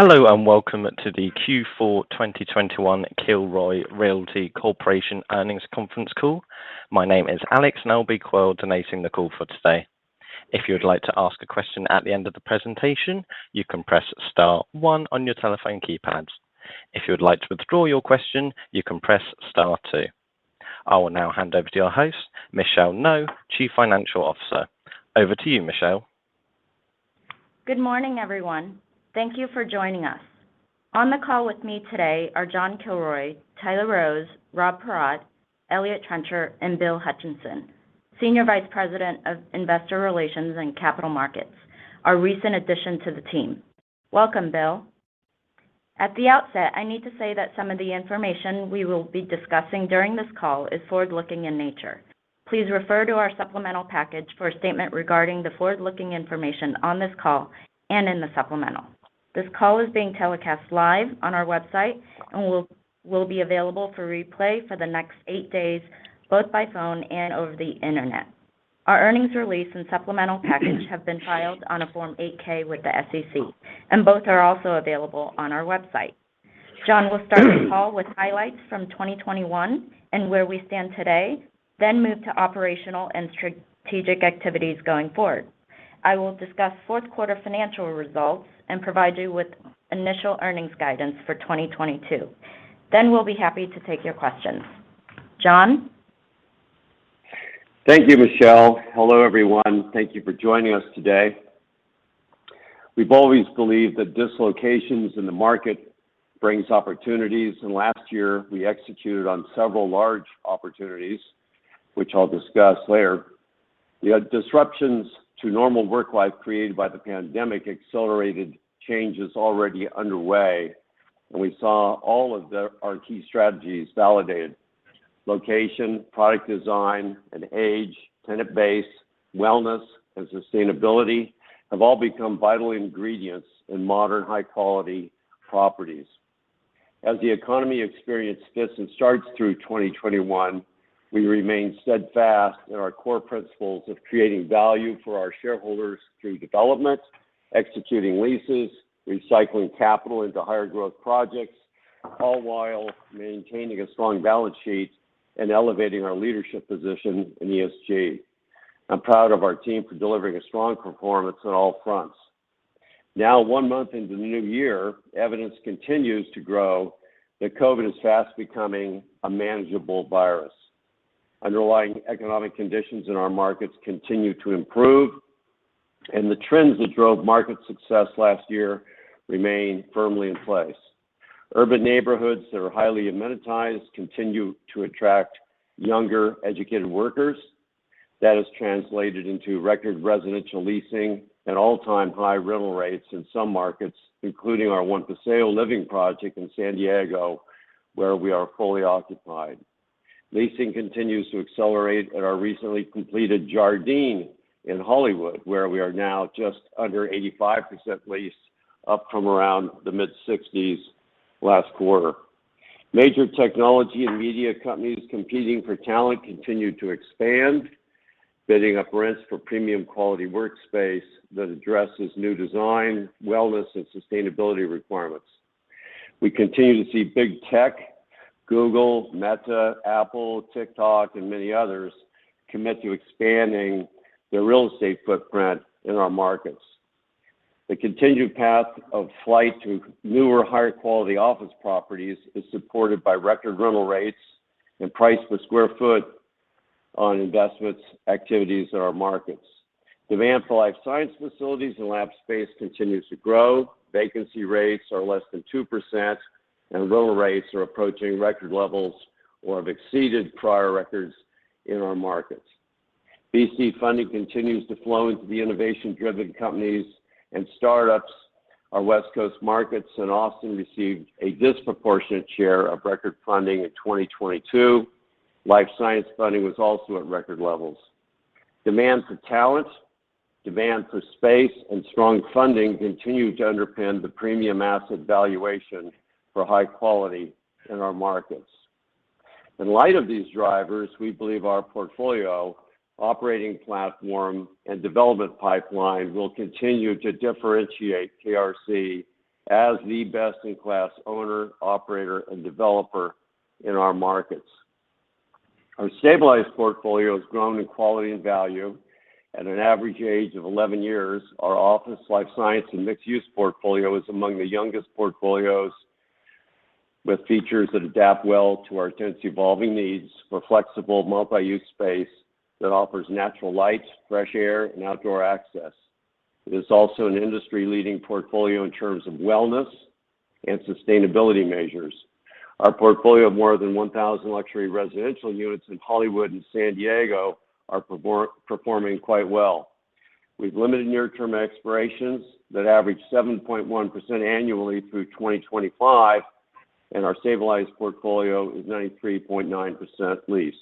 Hello, and welcome to the Q4 2021 Kilroy Realty Corporation earnings conference call. My name is Alex and I'll be coordinating the call for today. If you'd like to ask a question at the end of the presentation, you can press star one on your telephone keypad. If you would like to withdraw your question, you can press star two. I will now hand over to your host, Michelle Ngo, Chief Financial Officer. Over to you, Michelle. Good morning, everyone. Thank you for joining us. On the call with me today are John Kilroy, Tyler Rose, Rob Paratte, Eliott Trencher, and Bill Hutcheson, Senior Vice President of Investor Relations and Capital Markets, our recent addition to the team. Welcome, Bill. At the outset, I need to say that some of the information we will be discussing during this call is forward-looking in nature. Please refer to our supplemental package for a statement regarding the forward-looking information on this call and in the supplemental. This call is being telecast live on our website and will be available for replay for the next eight days, both by phone and over the Internet. Our earnings release and supplemental package have been filed on a Form 8-K with the SEC, and both are also available on our website. John will start the call with highlights from 2021 and where we stand today, then move to operational and strategic activities going forward. I will discuss fourth quarter financial results and provide you with initial earnings guidance for 2022. We'll be happy to take your questions. John? Thank you, Michelle. Hello, everyone. Thank you for joining us today. We've always believed that dislocations in the market brings opportunities, and last year we executed on several large opportunities, which I'll discuss later. The disruptions to normal work life created by the pandemic accelerated changes already underway, and we saw all of our key strategies validated. Location, product design, and age, tenant base, wellness, and sustainability have all become vital ingredients in modern, high quality properties. As the economy experienced fits and starts through 2021, we remained steadfast in our core principles of creating value for our shareholders through development, executing leases, recycling capital into higher growth projects, all while maintaining a strong balance sheet and elevating our leadership position in ESG. I'm proud of our team for delivering a strong performance on all fronts. Now, one month into the new year, evidence continues to grow that COVID-19 is fast becoming a manageable virus. Underlying economic conditions in our markets continue to improve, and the trends that drove market success last year remain firmly in place. Urban neighborhoods that are highly amenitized continue to attract younger, educated workers. That has translated into record residential leasing and all-time high rental rates in some markets, including our One Paseo living project in San Diego, where we are fully occupied. Leasing continues to accelerate at our recently completed Jardine in Hollywood, where we are now just under 85% leased, up from around the mid-60s last quarter. Major technology and media companies competing for talent continue to expand, bidding up rents for premium quality workspace that addresses new design, wellness, and sustainability requirements. We continue to see big tech, Google, Meta, Apple, TikTok, and many others commit to expanding their real estate footprint in our markets. The continued flight to newer, higher quality office properties is supported by record rental rates and price per square foot on investment activities in our markets. Demand for life science facilities and lab space continues to grow. Vacancy rates are less than 2%, and rental rates are approaching record levels or have exceeded prior records in our markets. VC funding continues to flow into the innovation driven companies and startups. Our West Coast markets in Austin received a disproportionate share of record funding in 2022. Life science funding was also at record levels. Demand for talent, demand for space, and strong funding continue to underpin the premium asset valuation for high quality in our markets. In light of these drivers, we believe our portfolio, operating platform, and development pipeline will continue to differentiate KRC as the best in class owner, operator, and developer in our markets. Our stabilized portfolio has grown in quality and value. At an average age of 11 years, our office, life science, and mixed use portfolio is among the youngest portfolios, with features that adapt well to our tenants evolving needs for flexible multi-use space that offers natural light, fresh air, and outdoor access. It is also an industry leading portfolio in terms of wellness and sustainability measures. Our portfolio of more than 1,000 luxury residential units in Hollywood and San Diego are performing quite well. We've limited near term expirations that average 7.1% annually through 2025, and our stabilized portfolio is 93.9% leased.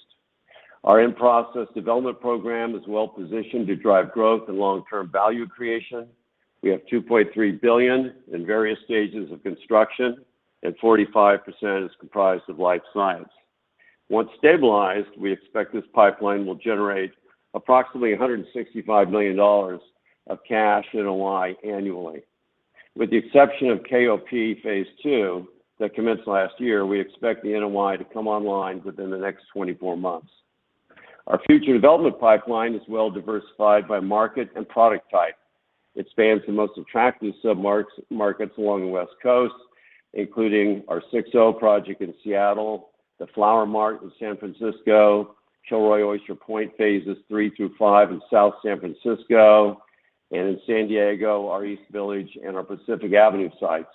Our in-process development program is well positioned to drive growth and long-term value creation. We have $2.3 billion in various stages of construction, and 45% is comprised of life science. Once stabilized, we expect this pipeline will generate approximately $165 million of cash NOI annually. With the exception of KOP phase two that commenced last year, we expect the NOI to come online within the next 24 months. Our future development pipeline is well diversified by market and product type. It spans the most attractive submarkets along the West Coast, including our SIXO project in Seattle, the Flower Mart in San Francisco, Kilroy Oyster Point phases three through five in South San Francisco, and in San Diego, our East Village and our Pacific Avenue sites.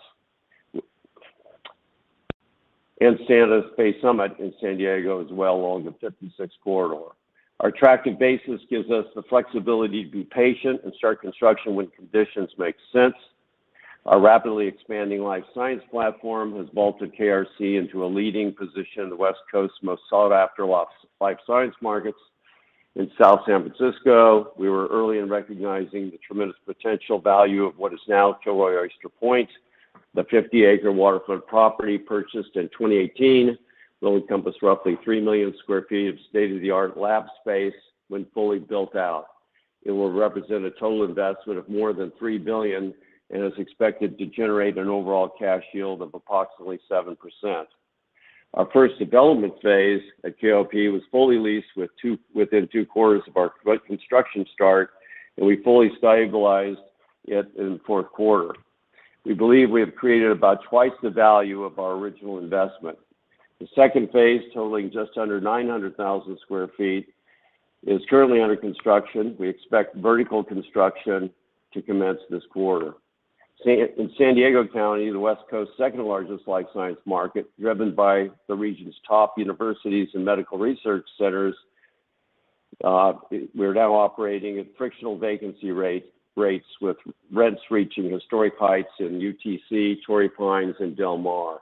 Santa Fe Summit in San Diego as well along the 56 corridor. Our attractive basis gives us the flexibility to be patient and start construction when conditions make sense. Our rapidly expanding life science platform has vaulted KRC into a leading position in the West Coast's most sought after life science markets. In South San Francisco, we were early in recognizing the tremendous potential value of what is now Kilroy Oyster Point. The 50-acre waterfront property purchased in 2018 will encompass roughly 3 million sq ft of state-of-the-art lab space when fully built out. It will represent a total investment of more than $3 billion and is expected to generate an overall cash yield of approximately 7%. Our first development phase at KOP was fully leased within 2 quarters of our construction start, and we fully stabilized it in the fourth quarter. We believe we have created about twice the value of our original investment. The second phase, totaling just under 900,000 sq ft, is currently under construction. We expect vertical construction to commence this quarter. In San Diego County, the West Coast's second-largest life science market, driven by the region's top universities and medical research centers, we're now operating at frictional vacancy rates with rents reaching historic heights in UTC, Torrey Pines, and Del Mar.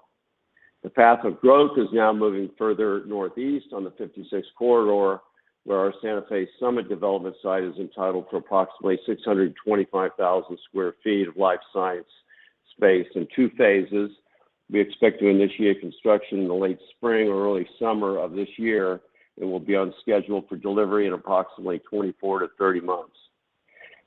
The path of growth is now moving further northeast on the 56 corridor, where our Santa Fe Summit development site is entitled to approximately 625,000 sq ft of life science space in two phases. We expect to initiate construction in the late spring or early summer of this year, and will be on schedule for delivery in approximately 24-30 months.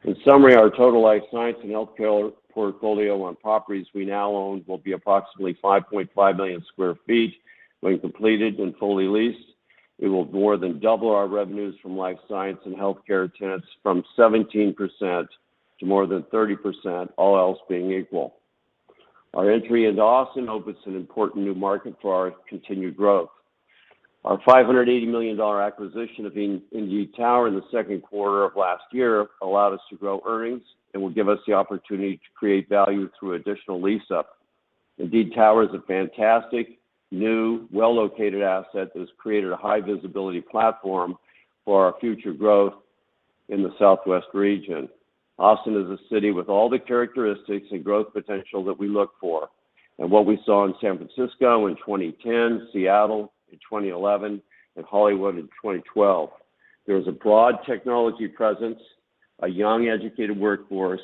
In summary, our total life science and healthcare portfolio on properties we now own will be approximately 5.5 million sq ft when completed and fully leased. It will more than double our revenues from life science and healthcare tenants from 17% to more than 30%, all else being equal. Our entry into Austin opens an important new market for our continued growth. Our $580 million acquisition of Indeed Tower in the second quarter of last year allowed us to grow earnings and will give us the opportunity to create value through additional lease up. Indeed Tower is a fantastic, new, well-located asset that has created a high visibility platform for our future growth in the southwest region. Austin is a city with all the characteristics and growth potential that we look for. What we saw in San Francisco in 2010, Seattle in 2011, and Hollywood in 2012. There is a broad technology presence, a young, educated workforce,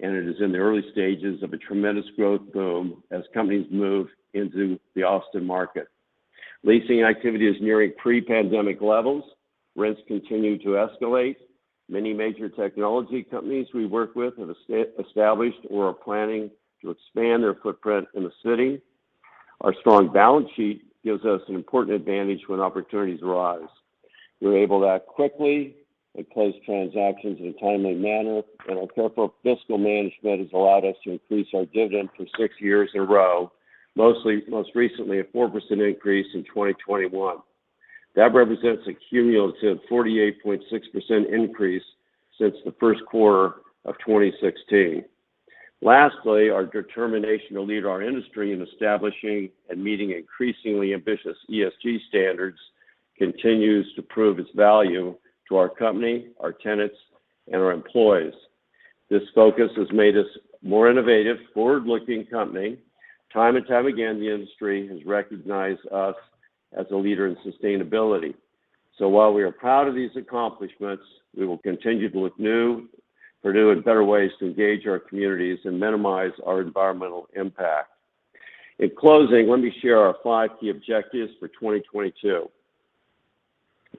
and it is in the early stages of a tremendous growth boom as companies move into the Austin market. Leasing activity is nearing pre-pandemic levels. Rents continue to escalate. Many major technology companies we work with have established or are planning to expand their footprint in the city. Our strong balance sheet gives us an important advantage when opportunities arise. We're able to act quickly and close transactions in a timely manner, and our careful fiscal management has allowed us to increase our dividend for 6 years in a row, most recently, a 4% increase in 2021. That represents a cumulative 48.6% increase since the first quarter of 2016. Lastly, our determination to lead our industry in establishing and meeting increasingly ambitious ESG standards continues to prove its value to our company, our tenants, and our employees. This focus has made us a more innovative, forward-looking company. Time and time again, the industry has recognized us as a leader in sustainability. While we are proud of these accomplishments, we will continue to look for new and better ways to engage our communities and minimize our environmental impact. In closing, let me share our five key objectives for 2022.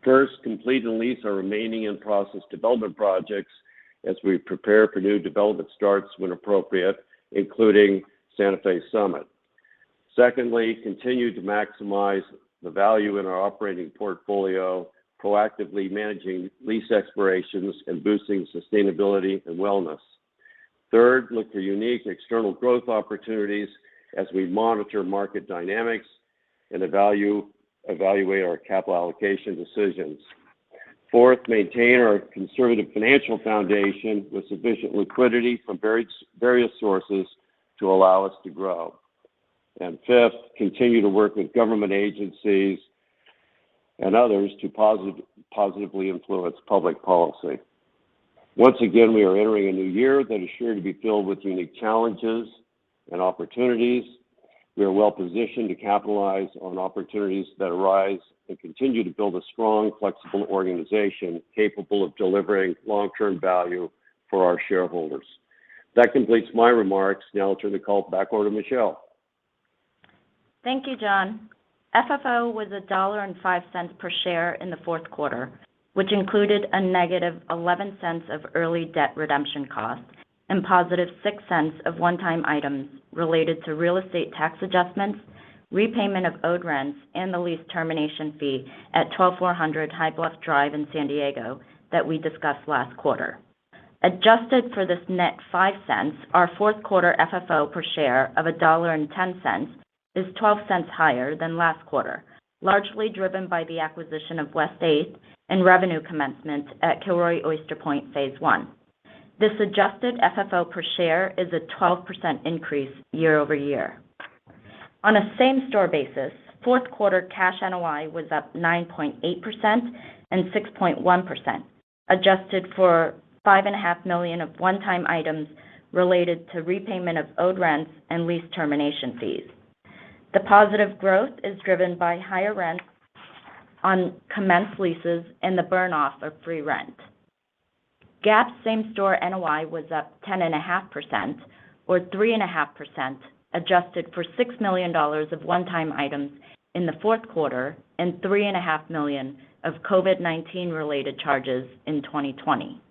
First, complete and lease our remaining in-process development projects as we prepare for new development starts when appropriate, including Santa Fe Summit. Secondly, continue to maximize the value in our operating portfolio, proactively managing lease expirations and boosting sustainability and wellness. Third, look for unique external growth opportunities as we monitor market dynamics and evaluate our capital allocation decisions. Fourth, maintain our conservative financial foundation with sufficient liquidity from various sources to allow us to grow. Fifth, continue to work with government agencies and others to positively influence public policy. Once again, we are entering a new year that is sure to be filled with unique challenges and opportunities. We are well-positioned to capitalize on opportunities that arise and continue to build a strong, flexible organization capable of delivering long-term value for our shareholders. That completes my remarks. Now I'll turn the call back over to Michelle. Thank you, John. FFO was $1.05 per share in the fourth quarter, which included -11 cents of early debt redemption costs and +6 cents of one-time items related to real estate tax adjustments, repayment of owed rents, and the lease termination fee at 12,400 High Bluff Drive in San Diego that we discussed last quarter. Adjusted for this net 5 cents, our fourth quarter FFO per share of $1.10 is 12 cents higher than last quarter, largely driven by the acquisition of West 8th and revenue commencement at Kilroy Oyster Point Phase One. This adjusted FFO per share is a 12% increase year-over-year. On a same-store basis, fourth quarter cash NOI was up 9.8% and 6.1%, adjusted for $5.5 million of one-time items related to repayment of owed rents and lease termination fees. The positive growth is driven by higher rents on commenced leases and the burn off of free rent. GAAP same-store NOI was up 10.5% or 3.5%, adjusted for $6 million of one-time items in the fourth quarter and $3.5 million of COVID-19 related charges in 2020.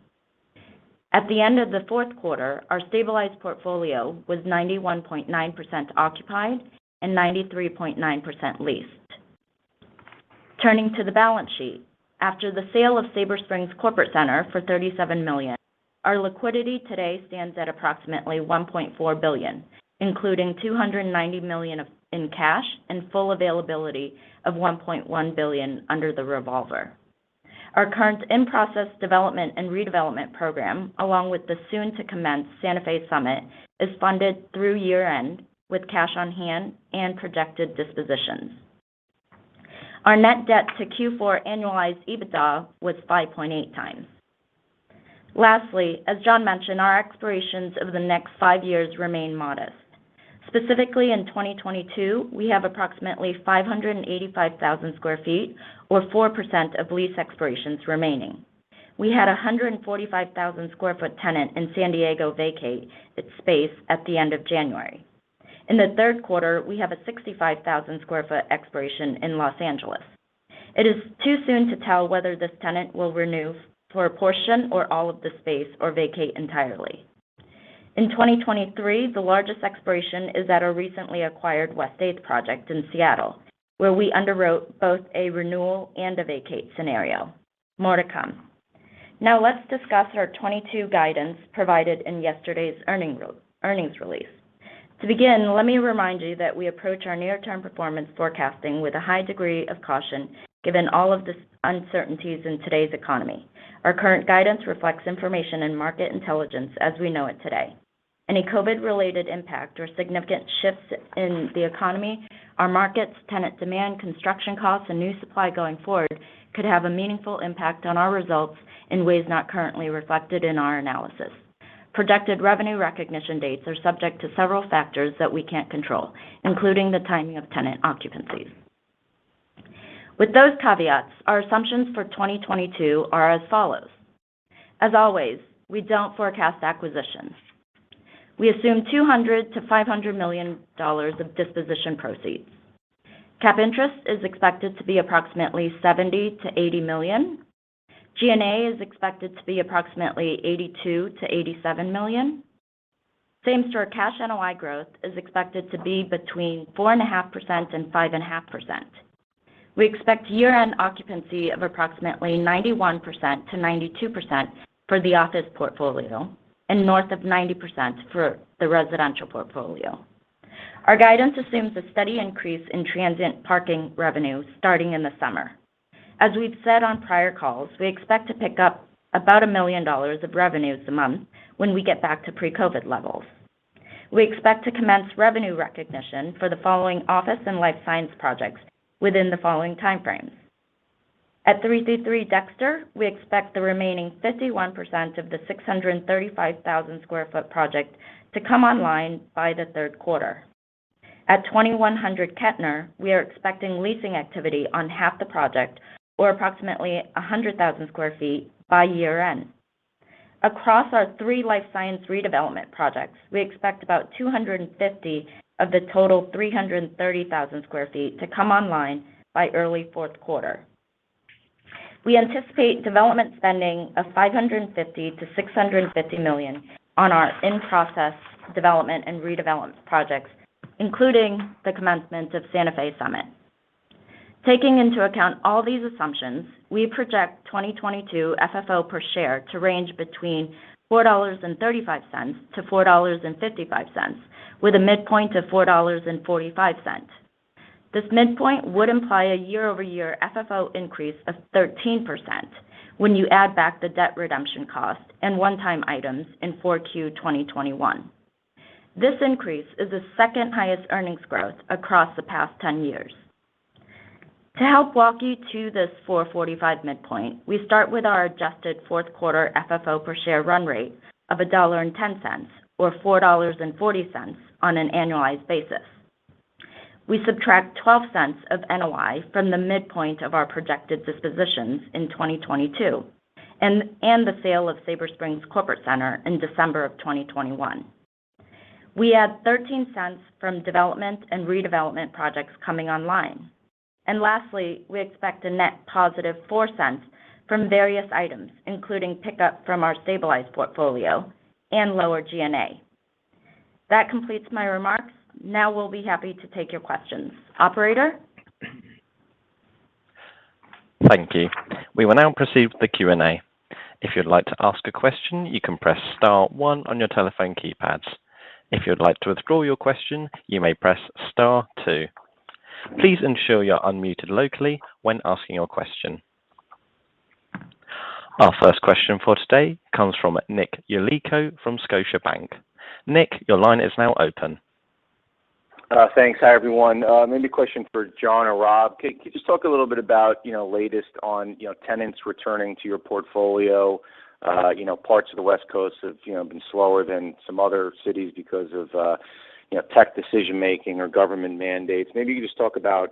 At the end of the fourth quarter, our stabilized portfolio was 91.9% occupied and 93.9% leased. Turning to the balance sheet. After the sale of Sabre Springs Corporate Center for $37 million, our liquidity today stands at approximately $1.4 billion, including $290 million in cash and full availability of $1.1 billion under the revolver. Our current in-process development and redevelopment program, along with the soon to commence Santa Fe Summit, is funded through year-end with cash on hand and projected dispositions. Our net debt to Q4 annualized EBITDA was 5.8 times. Lastly, as John mentioned, our expirations over the next five years remain modest. Specifically, in 2022, we have approximately 585,000 sq ft or 4% of lease expirations remaining. We had a 145,000 sq ft tenant in San Diego vacate its space at the end of January. In the third quarter, we have a 65,000 sq ft expiration in Los Angeles. It is too soon to tell whether this tenant will renew for a portion or all of the space or vacate entirely. In 2023, the largest expiration is at our recently acquired West 8th project in Seattle, where we underwrote both a renewal and a vacate scenario. More to come. Now let's discuss our 2022 guidance provided in yesterday's earnings release. To begin, let me remind you that we approach our near-term performance forecasting with a high degree of caution, given all of these uncertainties in today's economy. Our current guidance reflects information and market intelligence as we know it today. Any COVID related impact or significant shifts in the economy, our markets, tenant demand, construction costs, and new supply going forward could have a meaningful impact on our results in ways not currently reflected in our analysis. Projected revenue recognition dates are subject to several factors that we can't control, including the timing of tenant occupancies. With those caveats, our assumptions for 2022 are as follows. As always, we don't forecast acquisitions. We assume $200 million-$500 million of disposition proceeds. Cap interest is expected to be approximately $70 million-$80 million. G&A is expected to be approximately $82 million-$87 million. Same-store cash NOI growth is expected to be between 4.5% and 5.5%. We expect year-end occupancy of approximately 91%-92% for the office portfolio and north of 90% for the residential portfolio. Our guidance assumes a steady increase in transient parking revenue starting in the summer. As we've said on prior calls, we expect to pick up about $1 million of revenues a month when we get back to pre-COVID levels. We expect to commence revenue recognition for the following office and life science projects within the following timeframes. At 333 Dexter, we expect the remaining 51% of the 635,000 sq ft project to come online by the third quarter. At 2100 Kettner, we are expecting leasing activity on half the project or approximately 100,000 sq ft by year-end. Across our three life science redevelopment projects, we expect about 250 of the total 330,000 sq ft to come online by early fourth quarter. We anticipate development spending of $550 million-$650 million on our in-process development and redevelopment projects, including the commencement of Santa Fe Summit. Taking into account all these assumptions, we project 2022 FFO per share to range between $4.35-$4.55, with a midpoint of $4.45. This midpoint would imply a year-over-year FFO increase of 13% when you add back the debt redemption cost and one-time items in 4Q 2021. This increase is the second highest earnings growth across the past 10 years. To help walk you to this $4.45 midpoint, we start with our adjusted fourth quarter FFO per share run rate of $1.10 or $4.40 on an annualized basis. We subtract $0.12 of NOI from the midpoint of our projected dispositions in 2022 and the sale of Sabre Springs Corporate Center in December of 2021. We add $0.13 from development and redevelopment projects coming online. Lastly, we expect a net positive $0.04 from various items, including pickup from our stabilized portfolio and lower G&A. That completes my remarks. Now we'll be happy to take your questions. Operator? Thank you. We will now proceed with the Q&A. If you'd like to ask a question, you can press star one on your telephone keypads. If you'd like to withdraw your question, you may press star two. Please ensure you're unmuted locally when asking your question. Our first question for today comes from Nick Yulico from Scotiabank. Nick, your line is now open. Thanks. Hi, everyone. Maybe a question for John or Rob. Can you just talk a little bit about, you know, latest on, you know, tenants returning to your portfolio? You know, parts of the West Coast have, you know, been slower than some other cities because of, you know, tech decision-making or government mandates. Maybe you could just talk about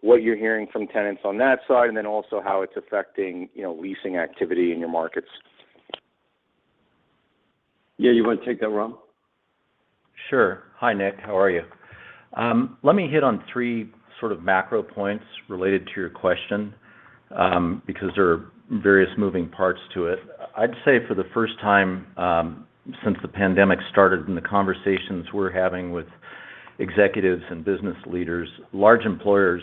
what you're hearing from tenants on that side, and then also how it's affecting, you know, leasing activity in your markets. Yeah. You want to take that, Rob? Sure. Hi, Nick. How are you? Let me hit on three sort of macro points related to your question, because there are various moving parts to it. I'd say for the first time since the pandemic started, in the conversations we're having with executives and business leaders, large employers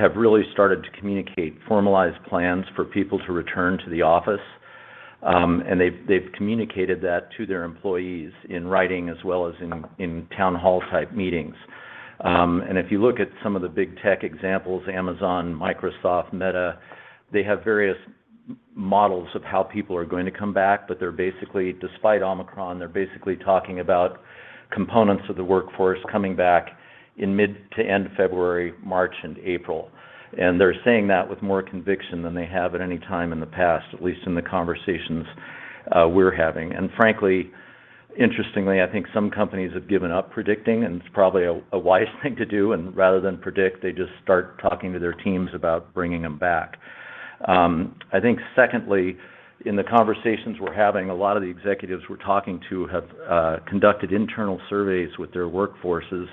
have really started to communicate formalized plans for people to return to the office. They've communicated that to their employees in writing as well as in town hall type meetings. If you look at some of the big tech examples, Amazon, Microsoft, Meta, they have various models of how people are going to come back, but they're basically, despite Omicron, they're basically talking about components of the workforce coming back in mid to end February, March and April. They're saying that with more conviction than they have at any time in the past, at least in the conversations we're having. Frankly, interestingly, I think some companies have given up predicting, and it's probably a wise thing to do, and rather than predict, they just start talking to their teams about bringing them back. I think secondly, in the conversations we're having, a lot of the executives we're talking to have conducted internal surveys with their workforces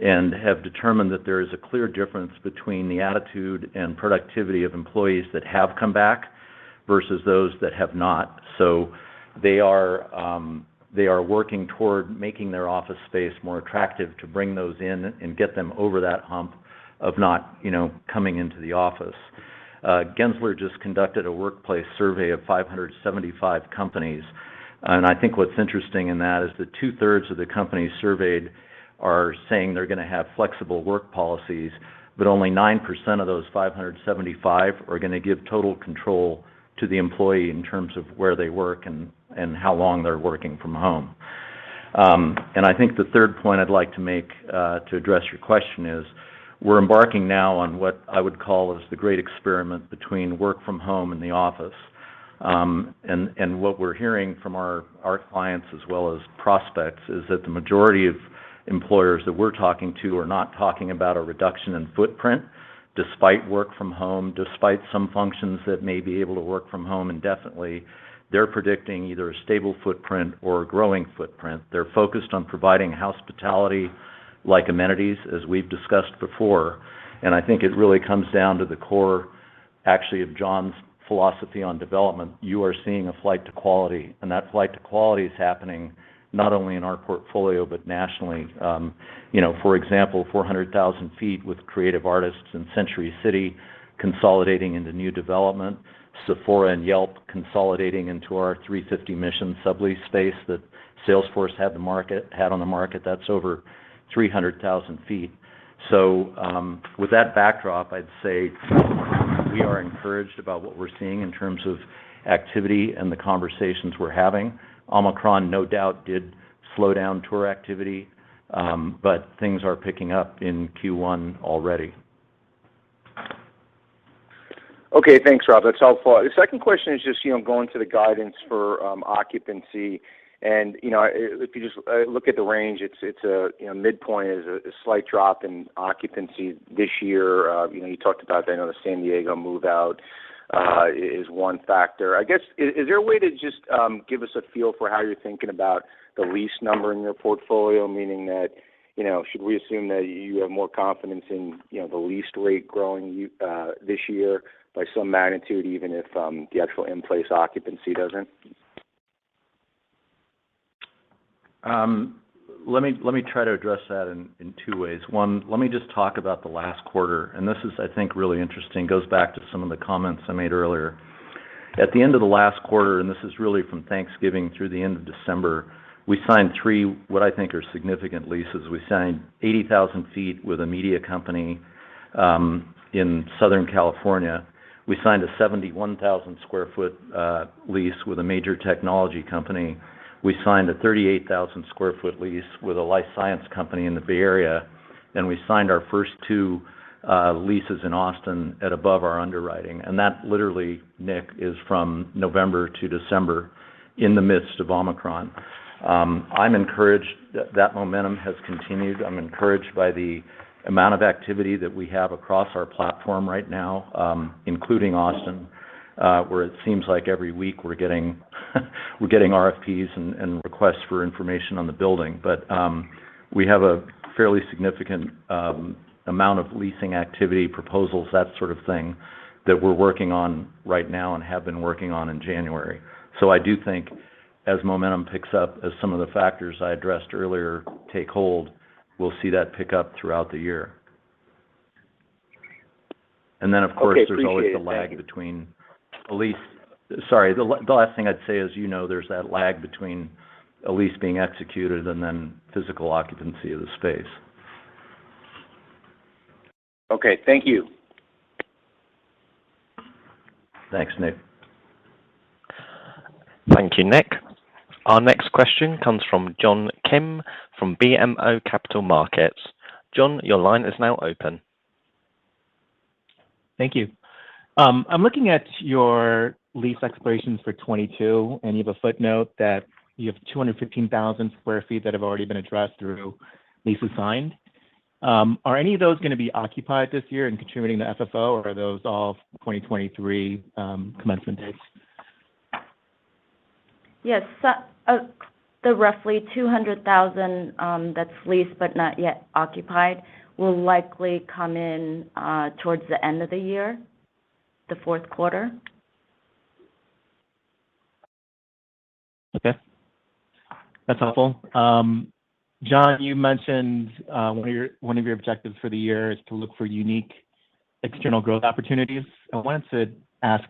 and have determined that there is a clear difference between the attitude and productivity of employees that have come back versus those that have not. They are working toward making their office space more attractive to bring those in and get them over that hump of not, you know, coming into the office. Gensler just conducted a workplace survey of 575 companies. I think what's interesting in that is that two-thirds of the companies surveyed are saying they're gonna have flexible work policies, but only 9% of those 575 are gonna give total control to the employee in terms of where they work and how long they're working from home. I think the third point I'd like to make to address your question is, we're embarking now on what I would call is the great experiment between work from home and the office. What we're hearing from our clients as well as prospects is that the majority of employers that we're talking to are not talking about a reduction in footprint despite work from home, despite some functions that may be able to work from home indefinitely. They're predicting either a stable footprint or a growing footprint. They're focused on providing hospitality like amenities, as we've discussed before. I think it really comes down to the core, actually, of John's philosophy on development. You are seeing a flight to quality, and that flight to quality is happening not only in our portfolio, but nationally. You know, for example, 400,000 sq ft with Creative Artists Agency in Century City consolidating into new development, Sephora and Yelp consolidating into our 350 Mission sublease space that Salesforce had on the market. That's over 300,000 sq ft. With that backdrop, I'd say we are encouraged about what we're seeing in terms of activity and the conversations we're having. Omicron, no doubt, did slow down tour activity, but things are picking up in Q1 already. Okay. Thanks, Rob. That's helpful. The second question is just, you know, going to the guidance for occupancy. You know, if you just look at the range, it's a midpoint is a slight drop in occupancy this year. You know, you talked about, I know the San Diego move-out is one factor. I guess, is there a way to just give us a feel for how you're thinking about the lease number in your portfolio? Meaning that, you know, should we assume that you have more confidence in, you know, the lease rate growing this year by some magnitude, even if the actual in-place occupancy doesn't? Let me try to address that in two ways. One, let me just talk about the last quarter, and this is I think, really interesting. It goes back to some of the comments I made earlier. At the end of the last quarter, this is really from Thanksgiving through the end of December, we signed 3 what I think are significant leases. We signed 80,000 sq ft with a media company in Southern California. We signed a 71,000 sq ft lease with a major technology company. We signed a 38,000 sq ft lease with a life science company in the Bay Area, and we signed our first 2 leases in Austin at above our underwriting. That literally, Nick, is from November to December in the midst of Omicron. I'm encouraged that momentum has continued. I'm encouraged by the amount of activity that we have across our platform right now, including Austin, where it seems like every week we're getting RFPs and requests for information on the building. We have a fairly significant amount of leasing activity proposals, that sort of thing, that we're working on right now and have been working on in January. I do think as momentum picks up, as some of the factors I addressed earlier take hold, we'll see that pick up throughout the year. Of course. Okay. Appreciate it. Thank you. The last thing I'd say is, you know, there's that lag between a lease being executed and then physical occupancy of the space. Okay. Thank you. Thanks, Nick. Thank you, Nick. Our next question comes from John Kim from BMO Capital Markets. John, your line is now open. Thank you. I'm looking at your lease expirations for 2022, and you have a footnote that you have 215,000 sq ft that have already been addressed through leases signed. Are any of those gonna be occupied this year and contributing to FFO, or are those all 2023 commencement dates? Yes. The roughly 200,000 that's leased but not yet occupied will likely come in towards the end of the year, the fourth quarter. Okay. That's helpful. John, you mentioned one of your objectives for the year is to look for unique external growth opportunities. I wanted to ask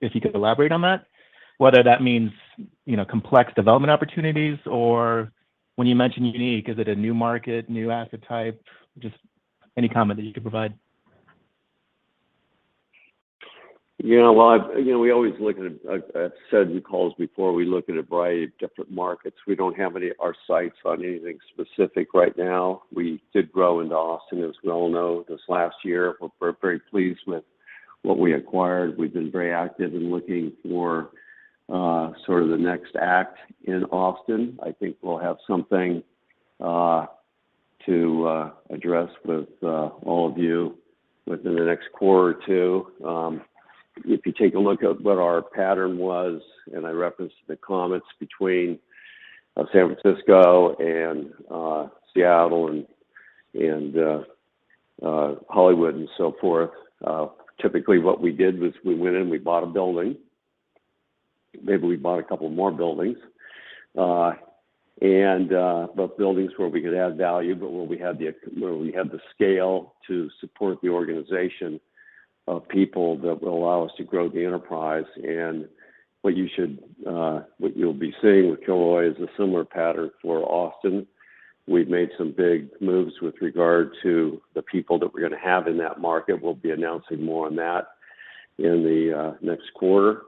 if you could elaborate on that, whether that means, you know, complex development opportunities, or when you mention unique, is it a new market, new asset type? Just any comment that you could provide. Yeah. Well, you know, we always look at, like I've said in calls before, we look at a variety of different markets. We don't have our sights on anything specific right now. We did grow into Austin, as we all know, this last year. We're very pleased with what we acquired. We've been very active in looking for sort of the next act in Austin. I think we'll have something to address with all of you within the next quarter or two. If you take a look at what our pattern was, and I referenced the comments between San Francisco and Seattle and Hollywood and so forth, typically what we did was we went in, we bought a building. Maybe we bought a couple more buildings. Buildings where we could add value, but where we had the scale to support the organization of people that will allow us to grow the enterprise. What you'll be seeing with Kilroy is a similar pattern for Austin. We've made some big moves with regard to the people that we're gonna have in that market. We'll be announcing more on that in the next quarter.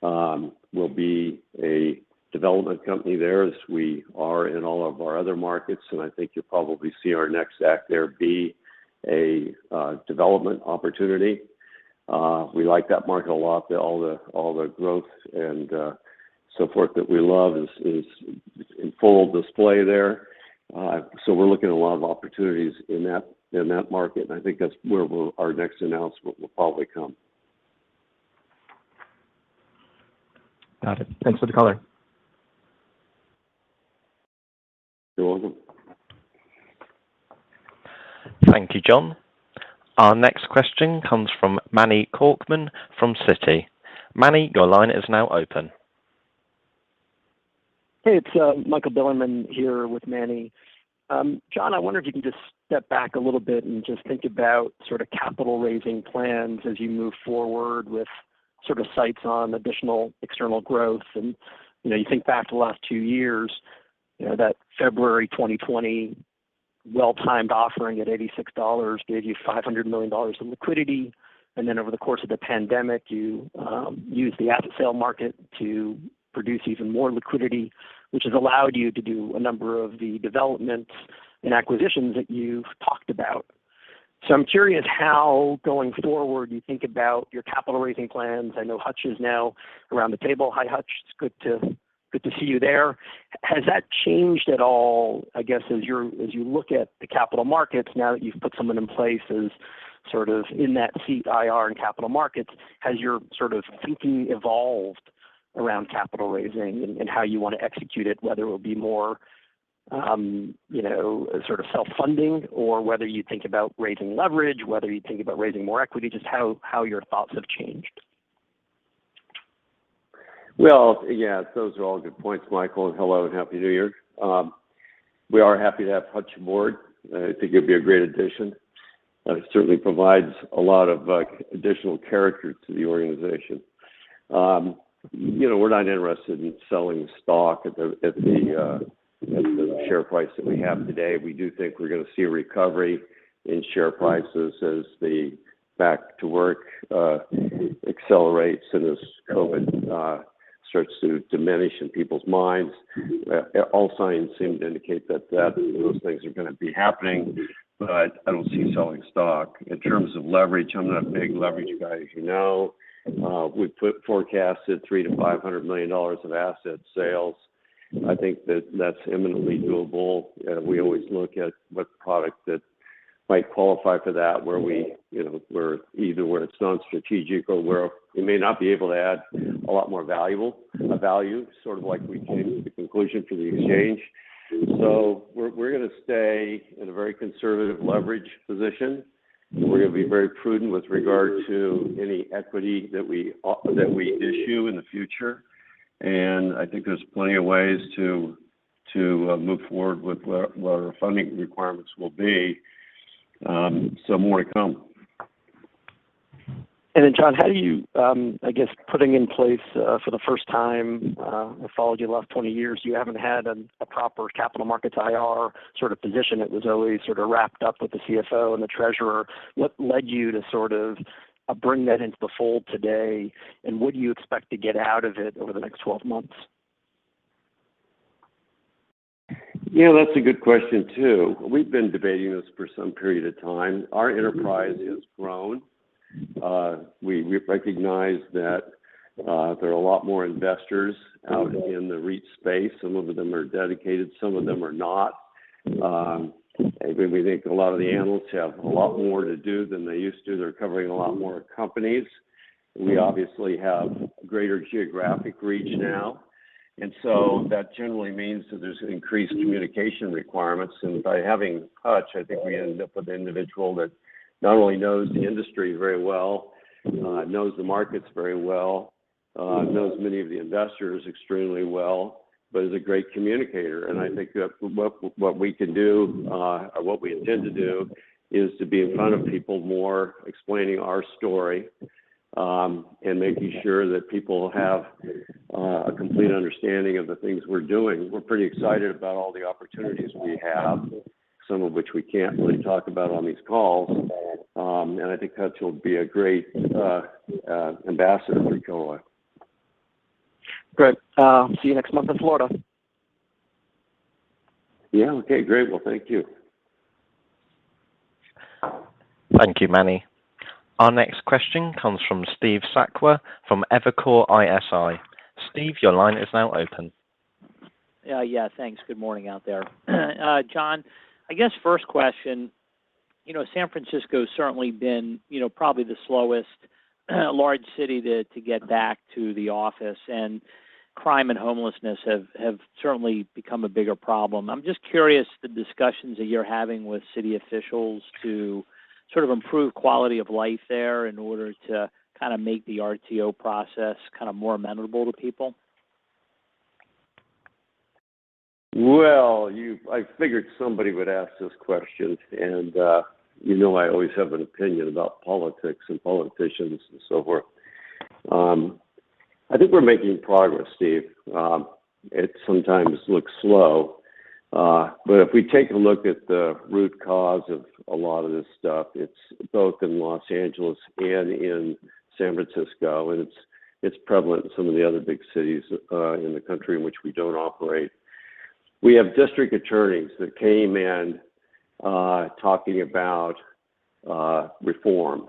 We'll be a development company there as we are in all of our other markets, and I think you'll probably see our next act there be a development opportunity. We like that market a lot. All the growth and so forth that we love is in full display there. We're looking at a lot of opportunities in that market, and I think that's where our next announcement will probably come. Got it. Thanks for the color. You're welcome. Thank you, John. Our next question comes from Manny Korchman from Citi. Manny, your line is now open. Hey, it's Michael Bilerman here with Manny. John, I wonder if you can just step back a little bit and just think about sort of capital raising plans as you move forward with sort of sights on additional external growth. You know, you think back to the last two years, you know, that February 2020 well timed offering at $86 gave you $500 million in liquidity. Then over the course of the pandemic, you used the asset sale market to produce even more liquidity, which has allowed you to do a number of the developments and acquisitions that you've talked about. I'm curious how, going forward, you think about your capital raising plans. I know Hutch is now around the table. Hi, Hutch. It's good to see you there. Has that changed at all, I guess, as you look at the capital markets now that you've put someone in place as sort of in that seat, IR and capital markets, has your sort of thinking evolved around capital raising and how you wanna execute it, whether it'll be more, you know, sort of self-funding, or whether you think about raising leverage, whether you think about raising more equity, just how your thoughts have changed? Well, yes, those are all good points, Michael, and hello and happy New Year. We are happy to have Hutch aboard. I think he'll be a great addition. He certainly provides a lot of additional character to the organization. You know, we're not interested in selling stock at the share price that we have today. We do think we're gonna see a recovery in share prices as the back to work accelerates and as COVID starts to diminish in people's minds. All signs seem to indicate that those things are gonna be happening, but I don't see selling stock. In terms of leverage, I'm not a big leverage guy, as you know. We've put forecasted $300 million-$500 million of asset sales. I think that that's imminently doable. We always look at what product that might qualify for that where we, you know, either where it's non-strategic or where we may not be able to add a lot more value, sort of like we came to the conclusion for the exchange. So we're gonna stay in a very conservative leverage position, and we're gonna be very prudent with regard to any equity that we issue in the future. I think there's plenty of ways to move forward with what our funding requirements will be, so more to come. John, how do you, I guess putting in place, for the first time, I've followed you the last 20 years, you haven't had a proper capital markets IR sort of position. It was always sort of wrapped up with the CFO and the treasurer. What led you to sort of bring that into the fold today, and what do you expect to get out of it over the next 12 months? Yeah, that's a good question too. We've been debating this for some period of time. Our enterprise has grown. We recognize that there are a lot more investors out in the REIT space. Some of them are dedicated, some of them are not. We think a lot of the analysts have a lot more to do than they used to. They're covering a lot more companies. We obviously have greater geographic reach now, and so that generally means that there's increased communication requirements. By having Hutch, I think we ended up with an individual that not only knows the industry very well, knows the markets very well, knows many of the investors extremely well, but is a great communicator. I think that what we can do or what we intend to do is to be in front of people more explaining our story and making sure that people have a complete understanding of the things we're doing. We're pretty excited about all the opportunities we have, some of which we can't really talk about on these calls. I think Hutch will be a great ambassador for Kilroy. Great. See you next month in Florida. Yeah. Okay. Great. Well, thank you. Thank you, Manny. Our next question comes from Steve Sakwa from Evercore ISI. Steve, your line is now open. Yeah, thanks. Good morning out there. John, I guess first question, you know, San Francisco's certainly been, you know, probably the slowest large city to get back to the office, and crime and homelessness have certainly become a bigger problem. I'm just curious the discussions that you're having with city officials to sort of improve quality of life there in order to kind of make the RTO process kind of more amenable to people. I figured somebody would ask this question, and you know I always have an opinion about politics and politicians and so forth. I think we're making progress, Steve. It sometimes looks slow, but if we take a look at the root cause of a lot of this stuff, it's both in Los Angeles and in San Francisco, and it's prevalent in some of the other big cities in the country in which we don't operate. We have district attorneys that came in talking about reform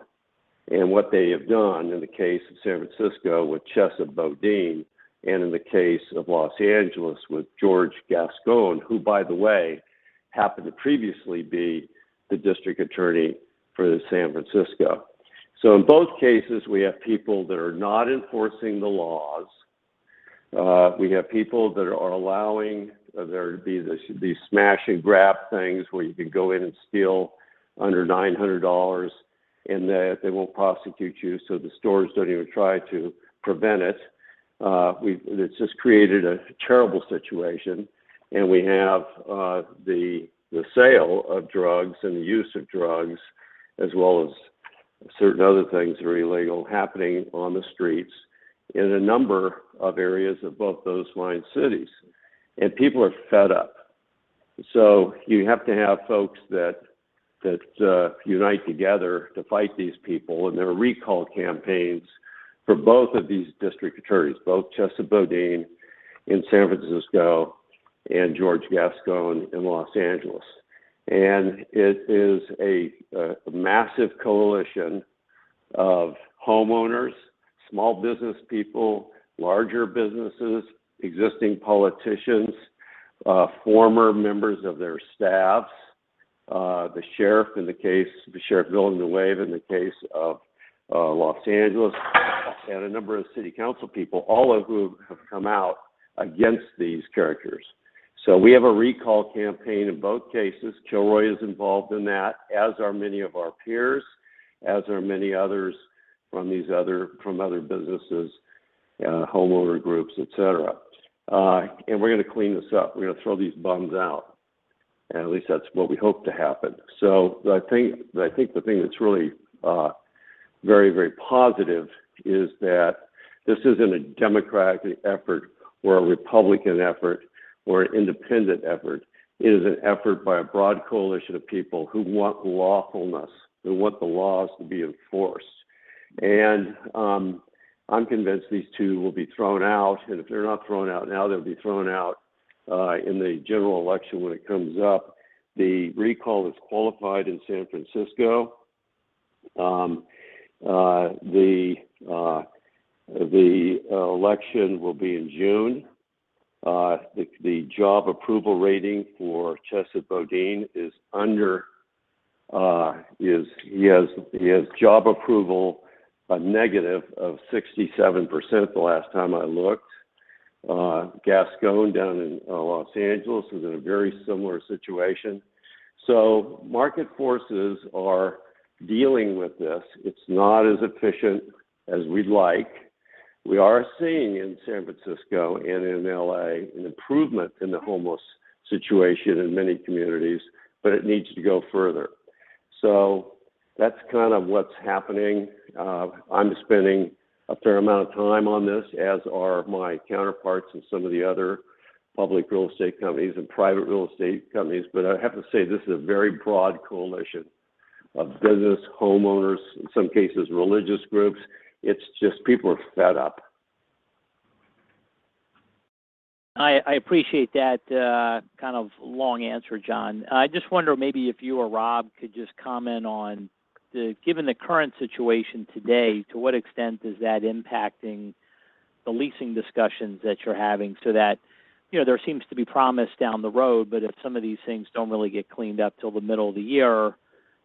and what they have done in the case of San Francisco with Chesa Boudin and in the case of Los Angeles with George Gascón, who by the way happened to previously be the district attorney for San Francisco. In both cases, we have people that are not enforcing the laws. We have people that are allowing there to be the smash-and-grab things where you can go in and steal under $900 and that they won't prosecute you, so the stores don't even try to prevent it. It's just created a terrible situation. We have the sale of drugs and the use of drugs as well as certain other things that are illegal happening on the streets in a number of areas of both those fine cities. People are fed up. You have to have folks that unite together to fight these people. There are recall campaigns for both of these district attorneys, both Chesa Boudin in San Francisco and George Gascón in Los Angeles. It is a massive coalition of homeowners, small business people, larger businesses, existing politicians, former members of their staffs, the Sheriff Villanueva in the case of Los Angeles, and a number of city council people, all of who have come out against these characters. We have a recall campaign in both cases. Kilroy is involved in that, as are many of our peers, as are many others from other businesses, homeowner groups, et cetera. We're gonna clean this up. We're gonna throw these bums out, and at least that's what we hope to happen. I think the thing that's really very, very positive is that this isn't a Democratic effort or a Republican effort or an independent effort. It is an effort by a broad coalition of people who want lawfulness, who want the laws to be enforced. I'm convinced these two will be thrown out, and if they're not thrown out now, they'll be thrown out in the general election when it comes up. The recall is qualified in San Francisco. The election will be in June. The job approval rating for Chesa Boudin is a negative of 67% the last time I looked. Gascón down in Los Angeles is in a very similar situation. Market forces are dealing with this. It's not as efficient as we'd like. We are seeing in San Francisco and in L.A. an improvement in the homeless situation in many communities, but it needs to go further. That's kind of what's happening. I'm spending a fair amount of time on this, as are my counterparts in some of the other public real estate companies and private real estate companies. I have to say, this is a very broad coalition of business homeowners, in some cases, religious groups. It's just people are fed up. I appreciate that kind of long answer, John. I just wonder maybe if you or Rob could just comment on the given current situation today, to what extent is that impacting the leasing discussions that you're having so that, you know, there seems to be promise down the road, but if some of these things don't really get cleaned up till the middle of the year,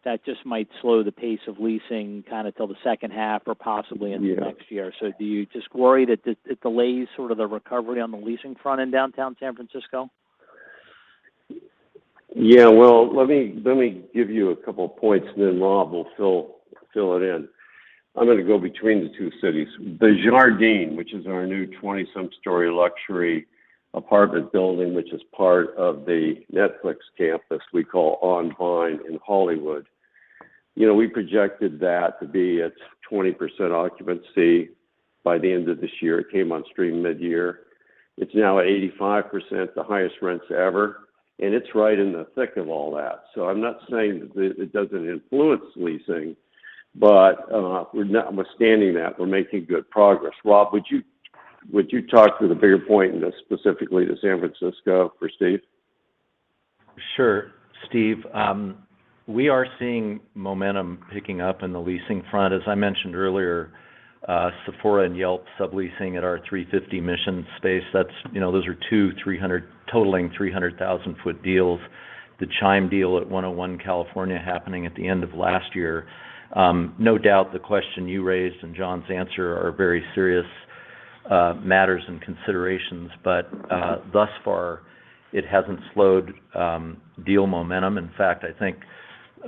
that just might slow the pace of leasing kinda till the second half or possibly into next year. Do you just worry that it delays sort of the recovery on the leasing front in downtown San Francisco? Yeah. Well, let me give you a couple points, and then Rob will fill it in. I'm gonna go between the two cities. The Jardine, which is our new 20-some-story luxury apartment building, which is part of the Netflix campus we call On Vine in Hollywood. You know, we projected that to be at 20% occupancy by the end of this year. It came on stream midyear. It's now at 85%, the highest rents ever, and it's right in the thick of all that. I'm not saying that it doesn't influence leasing, but we're notwithstanding that, we're making good progress. Rob, would you talk to the bigger point and specifically to San Francisco for Steve? Sure. Steve, we are seeing momentum picking up in the leasing front. As I mentioned earlier, Sephora and Yelp subleasing at our 350 Mission space. That's, you know, those are two deals totaling 300,000 sq ft. The Chime deal at 101 California happening at the end of last year. No doubt the question you raised and John's answer are very serious matters and considerations. Thus far it hasn't slowed deal momentum. In fact, I think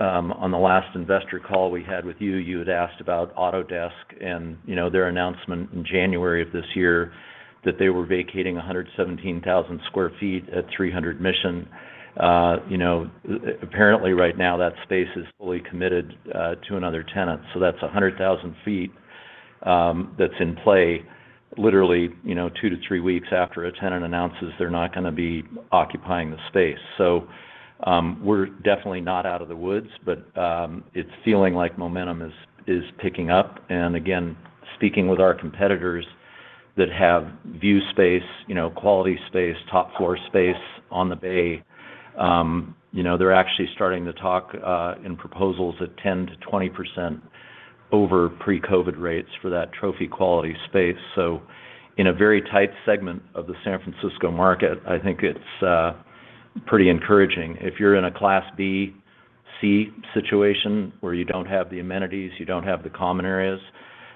on the last investor call we had with you had asked about Autodesk and, you know, their announcement in January of this year that they were vacating 117,000 sq ft at 300 Mission. You know, apparently right now, that space is fully committed to another tenant, so that's 100,000 sq ft that's in play literally, you know, 2-3 weeks after a tenant announces they're not gonna be occupying the space. We're definitely not out of the woods, but it's feeling like momentum is picking up. Again, speaking with our competitors that have view space, you know, quality space, top floor space on the Bay, you know, they're actually starting to talk in proposals at 10%-20% over pre-COVID rates for that trophy quality space. In a very tight segment of the San Francisco market, I think it's pretty encouraging. If you're in a class B/C situation where you don't have the amenities, you don't have the common areas,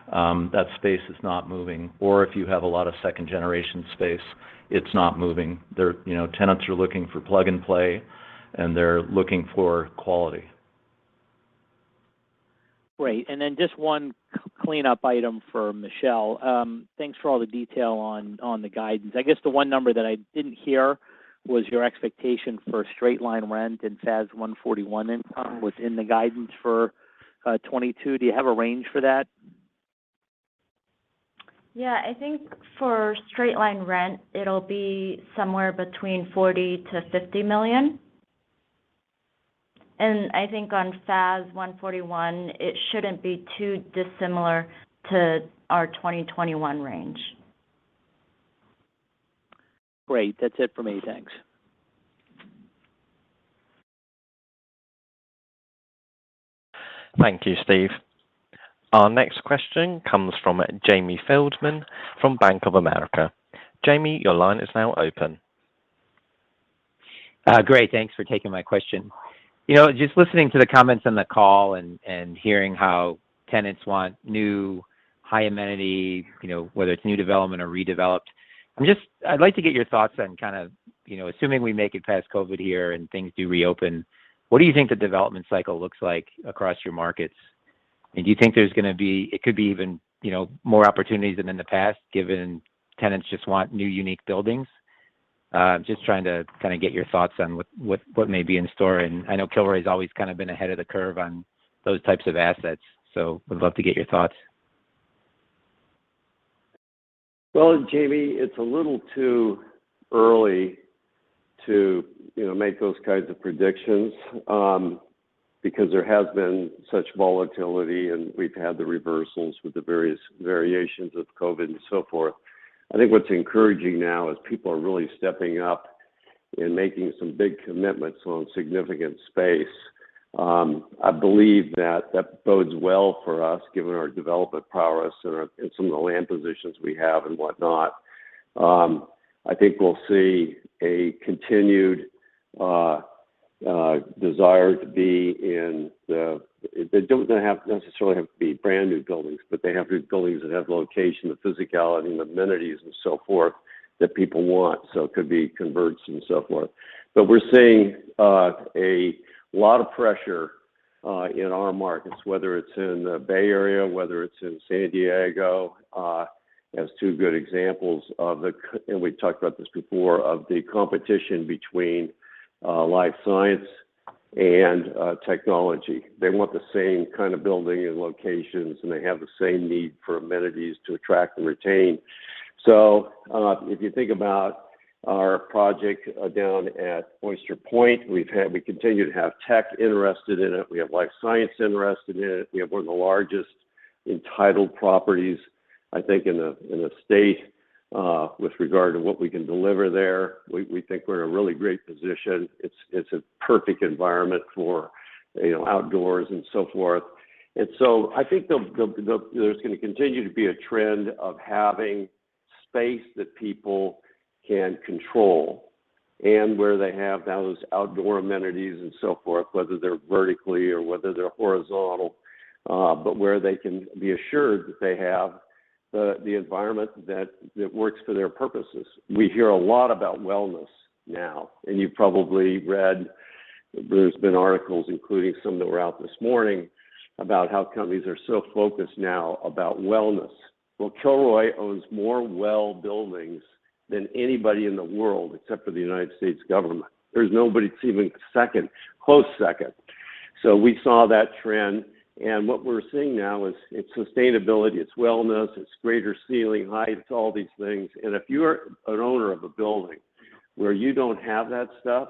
that space is not moving. If you have a lot of second-generation space, it's not moving. You know, tenants are looking for plug and play, and they're looking for quality. Great. Just one cleanup item for Michelle. Thanks for all the detail on the guidance. I guess the one number that I didn't hear was your expectation for straight-line rent and FAS 141 income within the guidance for 2022. Do you have a range for that? Yeah. I think for straight-line rent, it'll be somewhere between $40 million-$50 million. I think on FAS 141, it shouldn't be too dissimilar to our 2021 range. Great. That's it for me. Thanks. Thank you, Steve. Our next question comes from Jamie Feldman from Bank of America. Jamie, your line is now open. Great. Thanks for taking my question. You know, just listening to the comments on the call and hearing how tenants want new high amenity, you know, whether it's new development or redeveloped. I'd like to get your thoughts on kind of, you know, assuming we make it past COVID here and things do reopen, what do you think the development cycle looks like across your markets? Do you think it could be even more opportunities than in the past, given tenants just want new, unique buildings? Just trying to kinda get your thoughts on what may be in store. I know Kilroy's always kind of been ahead of the curve on those types of assets, so would love to get your thoughts. Well, Jamie, it's a little too early to, you know, make those kinds of predictions, because there has been such volatility, and we've had the reversals with the various variants of COVID and so forth. I think what's encouraging now is people are really stepping up in making some big commitments on significant space. I believe that bodes well for us, given our development prowess and some of the land positions we have and whatnot. I think we'll see a continued desire to be in buildings that don't necessarily have to be brand-new buildings, but they have to be buildings that have the location, the physicality, the amenities, and so forth that people want. It could be conversions and so forth. We're seeing a lot of pressure in our markets, whether it's in the Bay Area, whether it's in San Diego, as two good examples of the competition between life science and technology. They want the same kind of building and locations, and they have the same need for amenities to attract and retain. If you think about our project down at Oyster Point, we've had, we continue to have tech interested in it, we have life science interested in it. We have one of the largest entitled properties, I think, in a state with regard to what we can deliver there. We think we're in a really great position. It's a perfect environment for, you know, outdoors and so forth. I think the There's gonna continue to be a trend of having space that people can control and where they have now those outdoor amenities and so forth, whether they're vertically or whether they're horizontal, but where they can be assured that they have the environment that works for their purposes. We hear a lot about wellness now. You've probably read there's been articles, including some that were out this morning, about how companies are so focused now about wellness. Well, Kilroy owns more WELL buildings than anybody in the world except for the United States government. There's nobody that's even a close second. We saw that trend, and what we're seeing now is it's sustainability, it's wellness, it's greater ceiling heights, all these things. If you're an owner of a building where you don't have that stuff,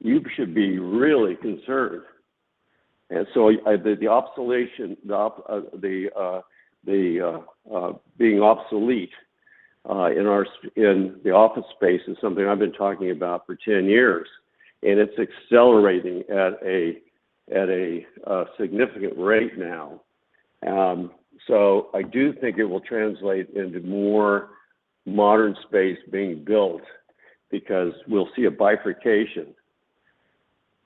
you should be really concerned. Being obsolete in the office space is something I've been talking about for 10 years, and it's accelerating at a significant rate now. I do think it will translate into more modern space being built because we'll see a bifurcation.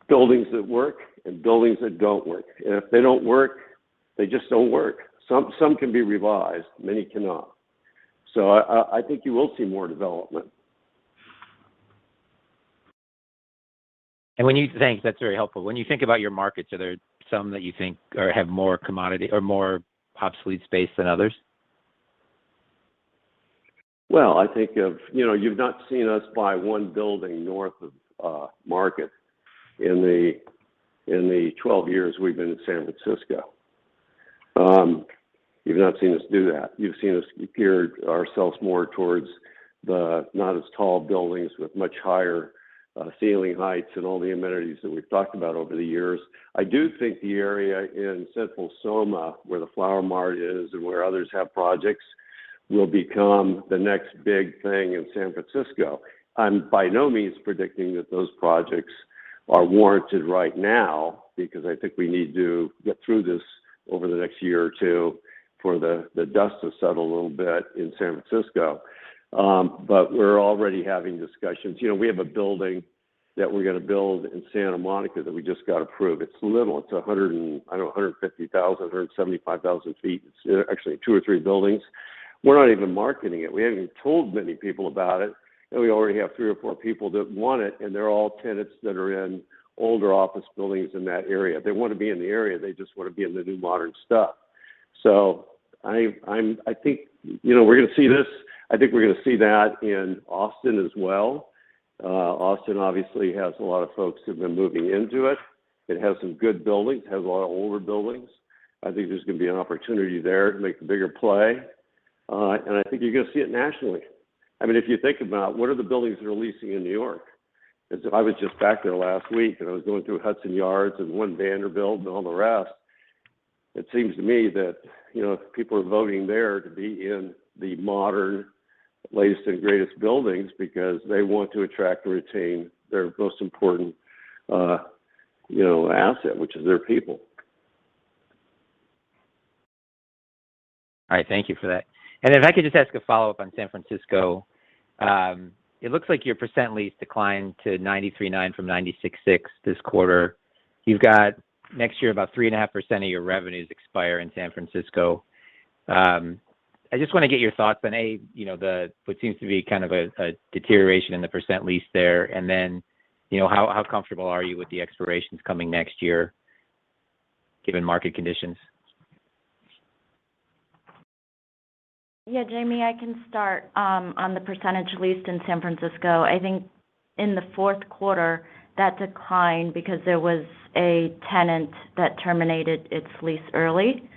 Buildings that work and buildings that don't work. If they don't work, they just don't work. Some can be revised, many cannot. I think you will see more development. Thanks. That's very helpful. When you think about your markets, are there some that you think have more commodity or more obsolete space than others? Well, you know, you've not seen us buy one building north of Market in the 12 years we've been in San Francisco. You've not seen us do that. You've seen us geared ourselves more towards the not-as-tall buildings with much higher ceiling heights and all the amenities that we've talked about over the years. I do think the area in Central SoMa, where the Flower Mart is and where others have projects, will become the next big thing in San Francisco. I'm by no means predicting that those projects are warranted right now because I think we need to get through this over the next year or 2 for the dust to settle a little bit in San Francisco. We're already having discussions. You know, we have a building that we're gonna build in Santa Monica that we just got approved. It's little. It's 100 and, I don't know, 150,000-175,000 sq ft. It's actually two or three buildings. We're not even marketing it. We haven't even told many people about it, and we already have three or four people that want it, and they're all tenants that are in older office buildings in that area. They wanna be in the area. They just wanna be in the new modern stuff. I think, you know, we're gonna see this. I think we're gonna see that in Austin as well. Austin obviously has a lot of folks who've been moving into it. It has some good buildings. It has a lot of older buildings. I think there's gonna be an opportunity there to make a bigger play. I think you're gonna see it nationally. I mean, if you think about what are the buildings they're leasing in New York? I was just back there last week, and I was going through Hudson Yards and One Vanderbilt and all the rest. It seems to me that, you know, people are voting there to be in the modern, latest and greatest buildings because they want to attract and retain their most important, you know, asset, which is their people. All right. Thank you for that. If I could just ask a follow-up on San Francisco. It looks like your percent leased declined to 93.9% from 96.6% this quarter. You've got next year about 3.5% of your revenues expire in San Francisco. I just wanna get your thoughts on, A, you know, what seems to be kind of a deterioration in the percent leased there, and then, you know, how comfortable are you with the expirations coming next year, given market conditions? Yeah, Jamie, I can start on the percentage leased in San Francisco. I think in the fourth quarter, that declined because there was a tenant that terminated its lease early.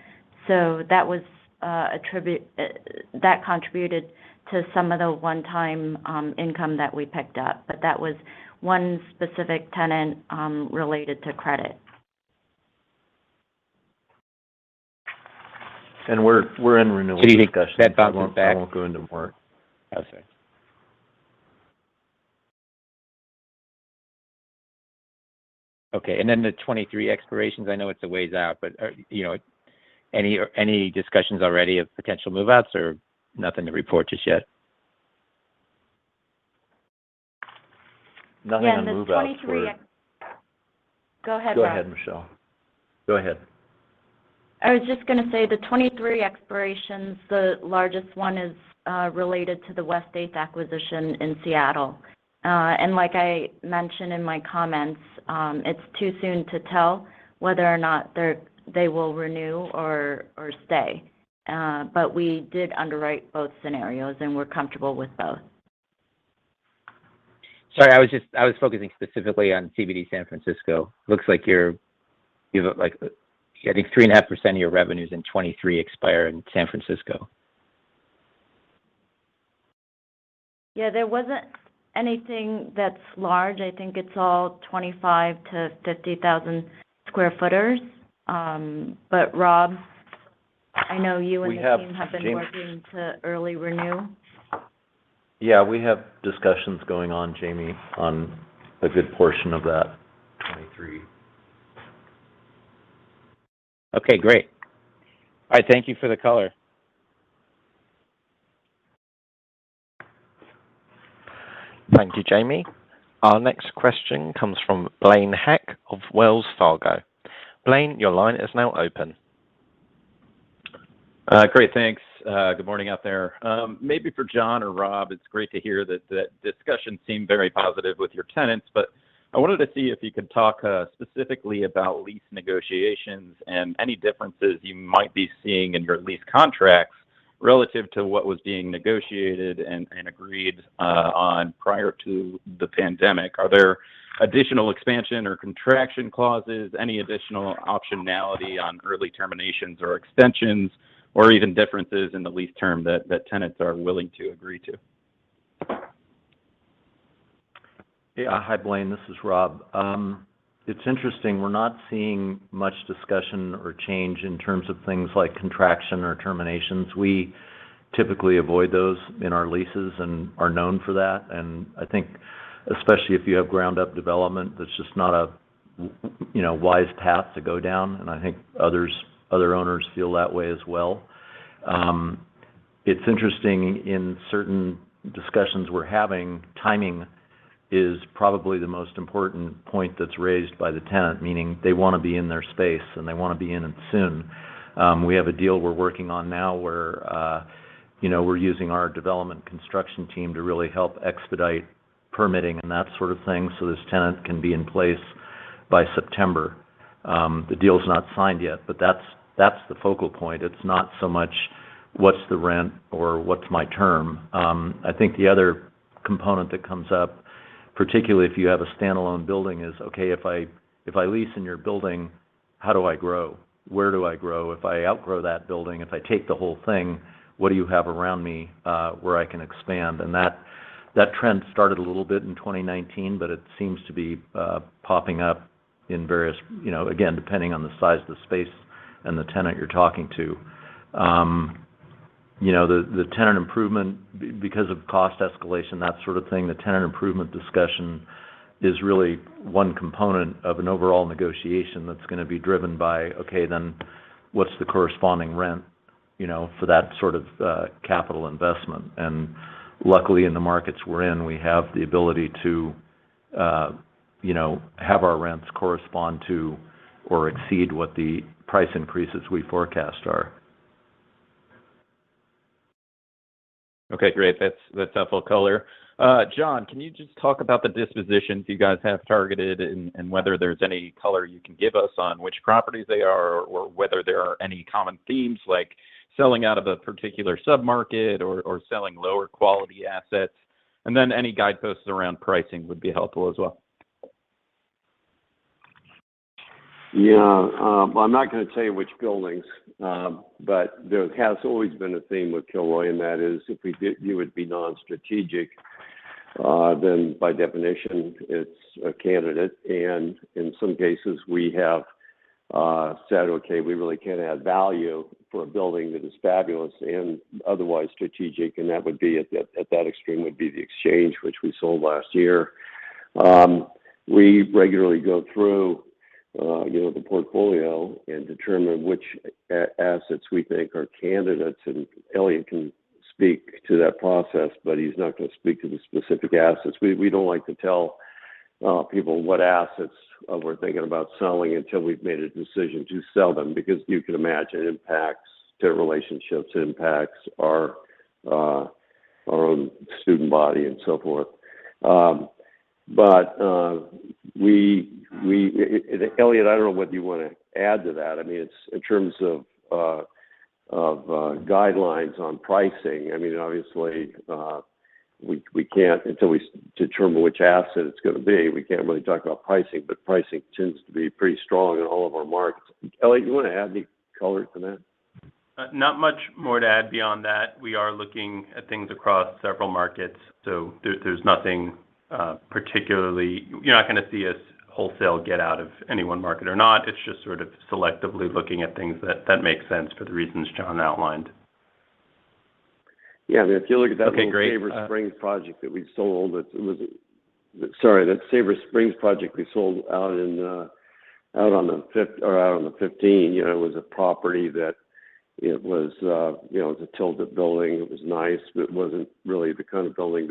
That contributed to some of the one-time income that we picked up. That was one specific tenant related to credit. Okay. Okay. Then the 2023 expirations, I know it's a ways out, but, you know, any discussions already of potential move-outs, or nothing to report just yet? Nothing on move-outs. Yeah, the 2023. Go ahead, Rob. Go ahead, Michelle. Go ahead. I was just gonna say, the 2023 expirations, the largest one is related to the West 8th acquisition in Seattle. Like I mentioned in my comments, it's too soon to tell whether or not they will renew or stay. We did underwrite both scenarios, and we're comfortable with both. Sorry, I was focusing specifically on CBD San Francisco. Looks like you have, like, I think 3.5% of your revenues in 2023 expire in San Francisco. Yeah, there wasn't anything that's large. I think it's all 25,000-50,000 square footers. Rob, I know you and the team- We have, Jamie. We have been working to early renew. Yeah, we have discussions going on, Jamie, on a good portion of that 2023. Okay, great. All right, thank you for the color. Thank you, Jamie. Our next question comes from Blaine Heck of Wells Fargo. Blaine, your line is now open. Great. Thanks. Good morning out there. Maybe for John or Rob, it's great to hear that the discussions seem very positive with your tenants. I wanted to see if you could talk specifically about lease negotiations and any differences you might be seeing in your lease contracts relative to what was being negotiated and agreed on prior to the pandemic. Are there additional expansion or contraction clauses, any additional optionality on early terminations or extensions, or even differences in the lease term that tenants are willing to agree to? Hi, Blaine. This is Rob. It's interesting. We're not seeing much discussion or change in terms of things like contraction or terminations. We typically avoid those in our leases and are known for that. I think especially if you have ground-up development, that's just not a wise path to go down, and I think other owners feel that way as well. It's interesting, in certain discussions we're having, timing is probably the most important point that's raised by the tenant, meaning they wanna be in their space, and they wanna be in it soon. We have a deal we're working on now where, you know, we're using our development construction team to really help expedite permitting and that sort of thing so this tenant can be in place by September. The deal's not signed yet, but that's the focal point. It's not so much what's the rent or what's my term. I think the other component that comes up, particularly if you have a standalone building, is, okay, if I lease in your building, how do I grow? Where do I grow? If I outgrow that building, if I take the whole thing, what do you have around me, where I can expand? That trend started a little bit in 2019, but it seems to be popping up in various, you know, again, depending on the size of the space and the tenant you're talking to. You know, the tenant improvement, because of cost escalation, that sort of thing, the tenant improvement discussion is really one component of an overall negotiation that's gonna be driven by, okay, then what's the corresponding rent, you know, for that sort of capital investment. Luckily, in the markets we're in, we have the ability to, you know, have our rents correspond to or exceed what the price increases we forecast are. Okay, great. That's helpful color. John, can you just talk about the dispositions you guys have targeted and whether there's any color you can give us on which properties they are, or whether there are any common themes, like selling out of a particular submarket or selling lower quality assets? Any guideposts around pricing would be helpful as well. Yeah. I'm not gonna tell you which buildings, but there has always been a theme with Kilroy, and that is if we view it to be non-strategic, then by definition it's a candidate. In some cases we have said, "Okay, we really can add value for a building that is fabulous and otherwise strategic," and that would be at that extreme would be the exchange which we sold last year. We regularly go through, you know, the portfolio and determine which assets we think are candidates. Eliott can speak to that process, but he's not gonna speak to the specific assets. We don't like to tell people what assets we're thinking about selling until we've made a decision to sell them, because you can imagine impacts to relationships, impacts our operations and so forth. Eliott, I don't know whether you wanna add to that. I mean, it's in terms of guidelines on pricing. I mean, obviously, we can't until we determine which asset it's gonna be, we can't really talk about pricing, but pricing tends to be pretty strong in all of our markets. Eliott, you wanna add any color to that? Not much more to add beyond that. We are looking at things across several markets, so there's nothing particularly you're not gonna see us wholesale get out of any one market or not. It's just sort of selectively looking at things that make sense for the reasons John outlined. Yeah. I mean, if you look at that. Okay, great. Sorry, that Sabre Springs project we sold out on the fifteenth, you know, it was a property that was, you know, it was a tilted building. It was nice, but it wasn't really the kind of building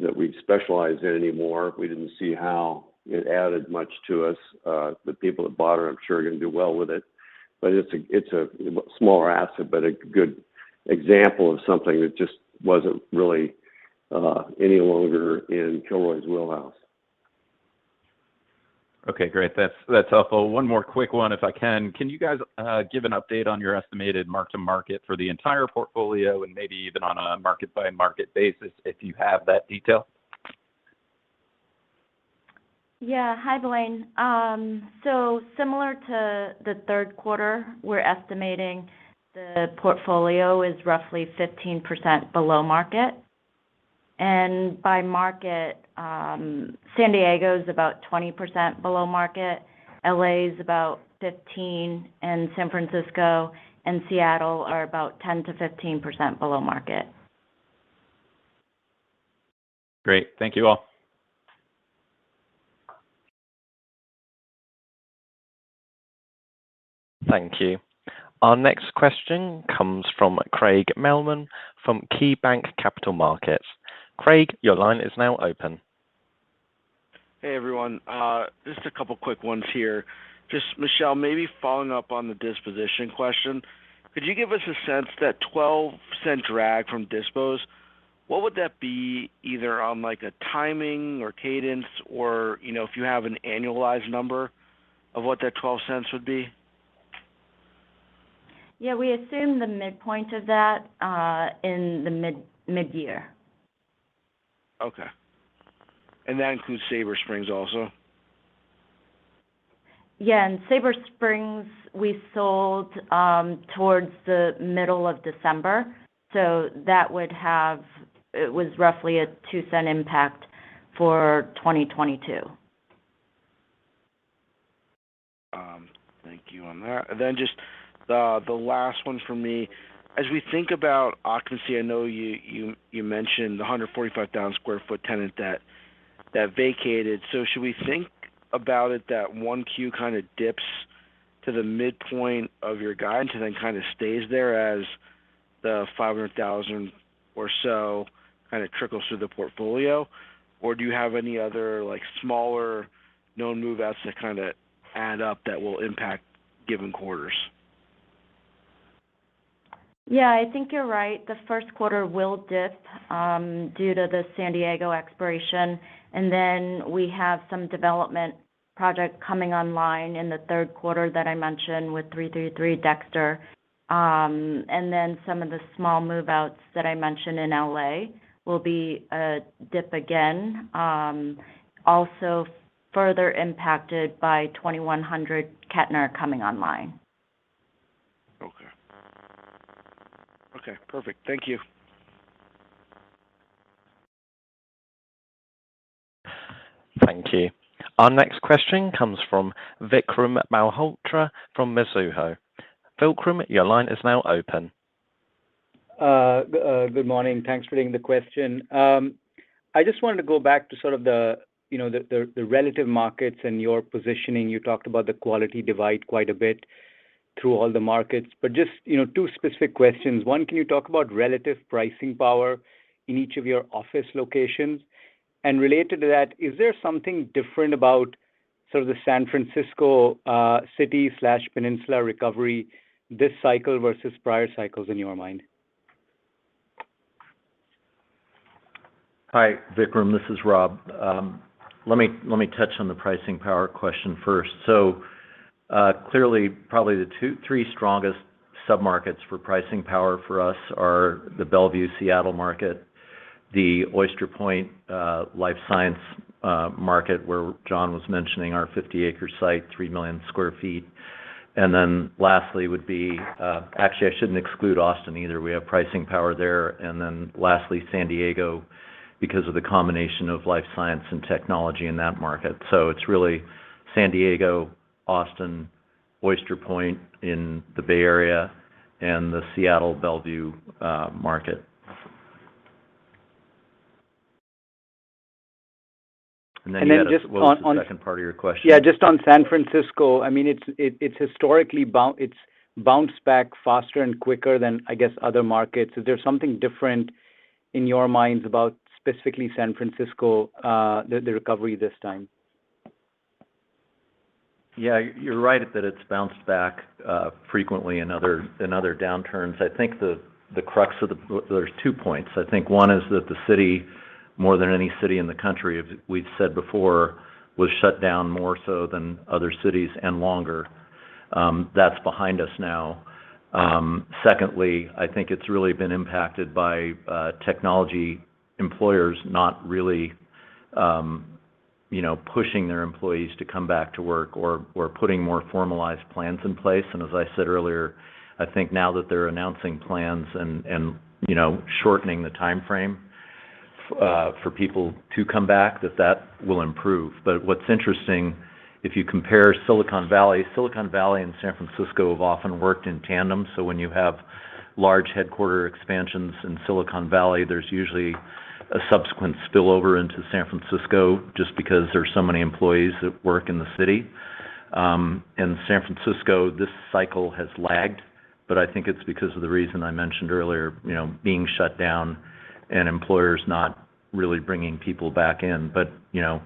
that we specialize in anymore. We didn't see how it added much to us. The people that bought it I'm sure are gonna do well with it. But it's a smaller asset, but a good example of something that just wasn't really any longer in Kilroy's wheelhouse. Okay, great. That's helpful. One more quick one if I can. Can you guys give an update on your estimated mark to market for the entire portfolio and maybe even on a market by market basis if you have that detail? Yeah. Hi, Blaine. Similar to the third quarter, we're estimating the portfolio is roughly 15% below market. By market, San Diego is about 20% below market, L.A. is about 15%, and San Francisco and Seattle are about 10%-15% below market. Great. Thank you all. Thank you. Our next question comes from Craig Mailman from KeyBanc Capital Markets. Craig, your line is now open. Hey, everyone. Just a couple quick ones here. Just Michelle, maybe following up on the disposition question. Could you give us a sense of the $0.12 drag from dispositions, what would that be either on like a timing or cadence or, you know, if you have an annualized number of what that $0.12 would be? Yeah. We assume the midpoint of that in the mid year. Okay. That includes Sabre Springs also? Sabre Springs we sold towards the middle of December. It was roughly a $0.02 impact for 2022. Thank you on that. Just the last one for me. As we think about occupancy, I know you mentioned the 145,000 sq ft tenant that vacated. Should we think about it that 1Q kind of dips to the midpoint of your guidance and then kind of stays there as the 500,000 or so kind of trickles through the portfolio? Or do you have any other like smaller known move outs that kind of add up that will impact given quarters? Yeah. I think you're right. The first quarter will dip due to the San Diego expiration. We have some development project coming online in the third quarter that I mentioned with 333 Dexter. Some of the small move-outs that I mentioned in L.A. will be a dip again, also further impacted by 2100 Kettner coming online. Okay. Okay, perfect. Thank you. Thank you. Our next question comes from Vikram Malhotra from Mizuho. Vikram, your line is now open. Good morning. Thanks for taking the question. I just wanted to go back to sort of the, you know, the relative markets and your positioning. You talked about the quality divide quite a bit through all the markets. Just, you know, two specific questions. One, can you talk about relative pricing power in each of your office locations? And related to that, is there something different about sort of the San Francisco city/peninsula recovery this cycle versus prior cycles in your mind? Hi, Vikram. This is Rob. Let me touch on the pricing power question first. Clearly probably the 2-3 strongest sub-markets for pricing power for us are the Bellevue Seattle market, the Oyster Point life science market where John was mentioning our 50-acre site, 3 million sq ft. Actually, I shouldn't exclude Austin either. We have pricing power there. Lastly, San Diego because of the combination of life science and technology in that market. It's really San Diego, Austin, Oyster Point in the Bay Area and the Seattle Bellevue market. Then you had a- Just on What was the second part of your question? Yeah, just on San Francisco. I mean, it's historically bounced back faster and quicker than I guess other markets. Is there something different in your minds about specifically San Francisco, the recovery this time? Yeah. You're right that it's bounced back frequently in other downturns. I think there's two points. One is that the city, more than any city in the country, as we've said before, was shut down more so than other cities and longer. That's behind us now. Secondly, I think it's really been impacted by technology employers not really pushing their employees to come back to work or putting more formalized plans in place. As I said earlier, I think now that they're announcing plans and you know shortening the timeframe for people to come back, that will improve. What's interesting, if you compare Silicon Valley and San Francisco have often worked in tandem. When you have large headquarter expansions in Silicon Valley, there's usually a subsequent spillover into San Francisco just because there's so many employees that work in the city. In San Francisco, this cycle has lagged, but I think it's because of the reason I mentioned earlier, you know, being shut down and employers not really bringing people back in. You know,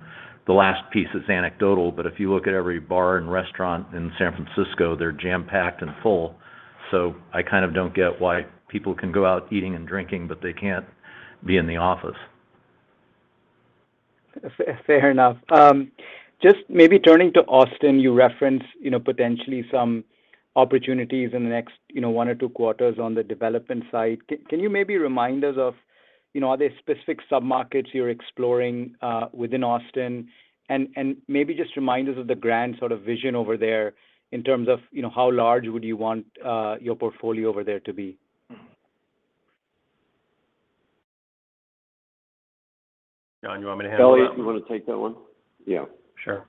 the last piece is anecdotal, but if you look at every bar and restaurant in San Francisco, they're jam-packed and full. I kind of don't get why people can go out eating and drinking, but they can't be in the office. Fair enough. Just maybe turning to Austin, you referenced, you know, potentially some opportunities in the next, you know, 1 or 2 quarters on the development side. Can you maybe remind us of, you know, are there specific submarkets you're exploring within Austin? And maybe just remind us of the grand sort of vision over there in terms of, you know, how large would you want your portfolio over there to be? John, you want me to handle that one? Eliott, if you want to take that one. Yeah. Sure.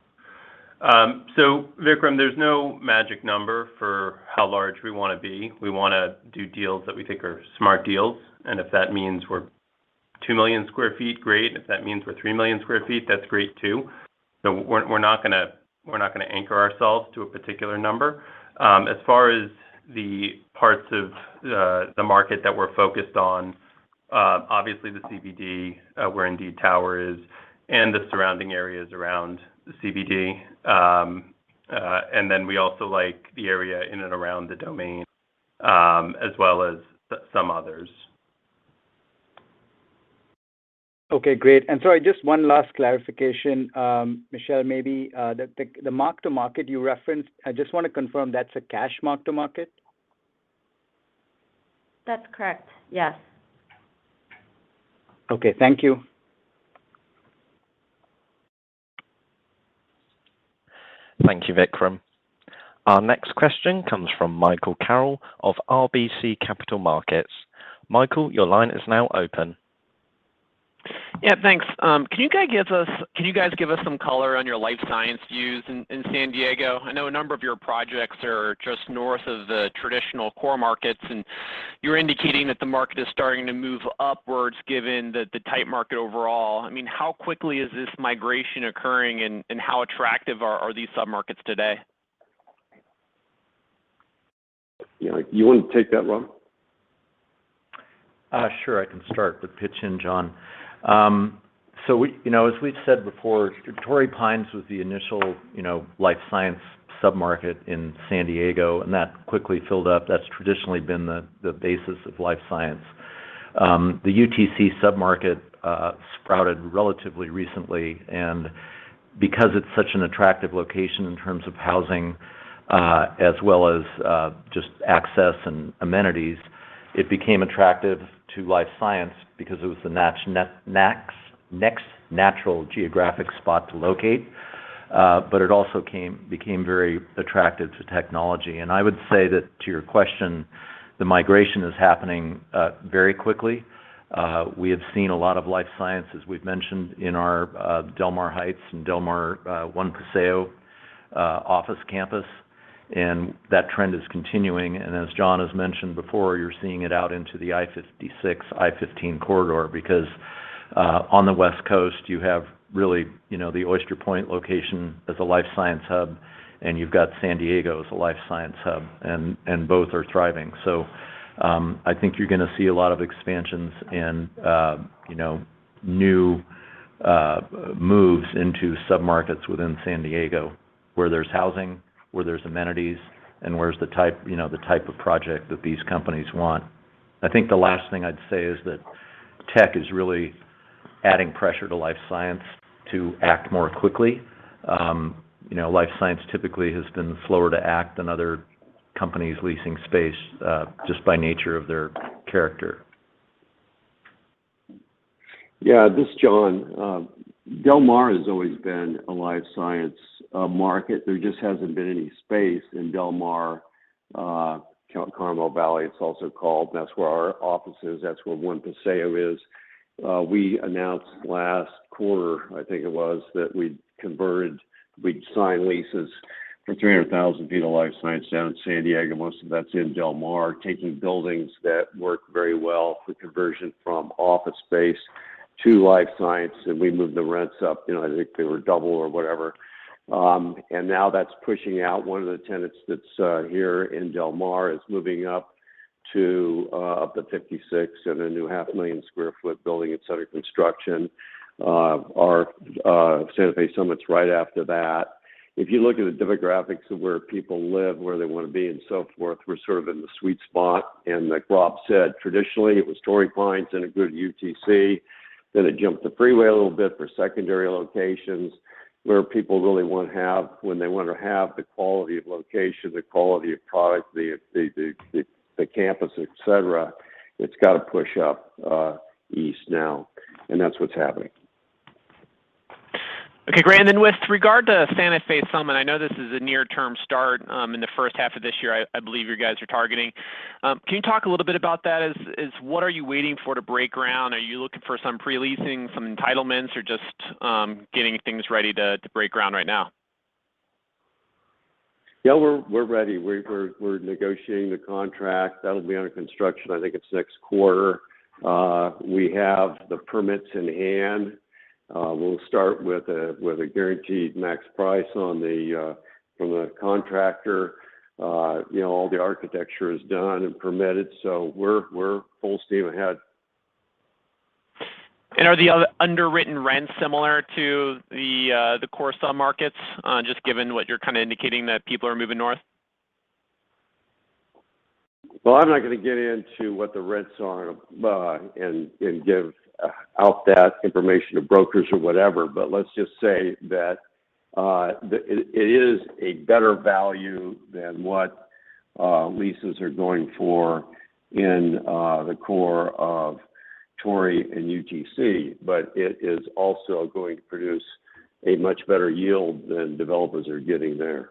Vikram, there's no magic number for how large we want to be. We want to do deals that we think are smart deals. If that means we're 2 million sq ft, great. If that means we're 3 million sq ft, that's great too. We're not gonna anchor ourselves to a particular number. As far as the parts of the market that we're focused on, obviously the CBD, where Indeed Tower is and the surrounding areas around the CBD. Then we also like the area in and around The Domain, as well as some others. Okay, great. Sorry, just one last clarification. Michelle, maybe, the mark-to-market you referenced, I just want to confirm that's a cash mark-to-market? That's correct. Yes. Okay. Thank you. Thank you, Vikram. Our next question comes from Michael Carroll of RBC Capital Markets. Michael, your line is now open. Yeah, thanks. Can you guys give us some color on your life science views in San Diego? I know a number of your projects are just north of the traditional core markets, and you're indicating that the market is starting to move upwards given the tight market overall. I mean, how quickly is this migration occurring and how attractive are these submarkets today? Yeah. You want to take that, Rob? Sure. I can start, but pitch in, John. So we, you know, as we've said before, Torrey Pines was the initial, you know, life science submarket in San Diego, and that quickly filled up. That's traditionally been the basis of life science. The UTC submarket sprouted relatively recently, and because it's such an attractive location in terms of housing, as well as just access and amenities, it became attractive to life science because it was the next natural geographic spot to locate. But it also became very attractive to technology. I would say that to your question, the migration is happening very quickly. We have seen a lot of life science, as we've mentioned, in our Del Mar Heights and Del Mar One Paseo office campus, and that trend is continuing. As John has mentioned before, you're seeing it out into the I-5, I-15 corridor because on the West Coast, you have really, you know, the Oyster Point location as a life science hub, and you've got San Diego as a life science hub, and both are thriving. I think you're gonna see a lot of expansions and, you know, new moves into submarkets within San Diego where there's housing, where there's amenities, and where's the type, you know, the type of project that these companies want. I think the last thing I'd say is that tech is really adding pressure to life science to act more quickly. You know, life science typically has been slower to act than other companies leasing space, just by nature of their character. Yeah, this is John. Del Mar has always been a life science market. There just hasn't been any space in Del Mar, Carmel Valley, it's also called. That's where our office is. That's where One Paseo is. We announced last quarter, I think it was, we'd signed leases for 300,000 feet of life science down in San Diego. Most of that's in Del Mar, taking buildings that work very well for conversion from office space to life science, and we moved the rents up. You know, I think they were double or whatever. Now that's pushing out one of the tenants that's here in Del Mar is moving up to 56 in a new half million square foot building under construction. Our Santa Fe Summit's right after that. If you look at the demographics of where people live, where they want to be and so forth, we're sort of in the sweet spot. Like Rob said, traditionally, it was Torrey Pines and a good UTC. Then it jumped the freeway a little bit for secondary locations where people really want to have when they want to have the quality of location, the quality of product, the campus, etc. It's gotta push up east now, and that's what's happening. Okay, Great, with regard to Santa Fe Summit, I know this is a near term start in the first half of this year I believe you guys are targeting. Can you talk a little bit about that? What are you waiting for to break ground? Are you looking for some pre-leasing, some entitlements, or just getting things ready to break ground right now? Yeah. We're ready. We're negotiating the contract. That'll be under construction, I think it's next quarter. We have the permits in hand. We'll start with a guaranteed max price from the contractor. You know, all the architecture is done and permitted, so we're full steam ahead. Are the other underwritten rents similar to the core sub-markets, just given what you're kinda indicating that people are moving north? Well, I'm not gonna get into what the rents are and give out that information to brokers or whatever, but let's just say that it is a better value than what leases are going for in the core of Torrey and UTC. It is also going to produce a much better yield than developers are getting there.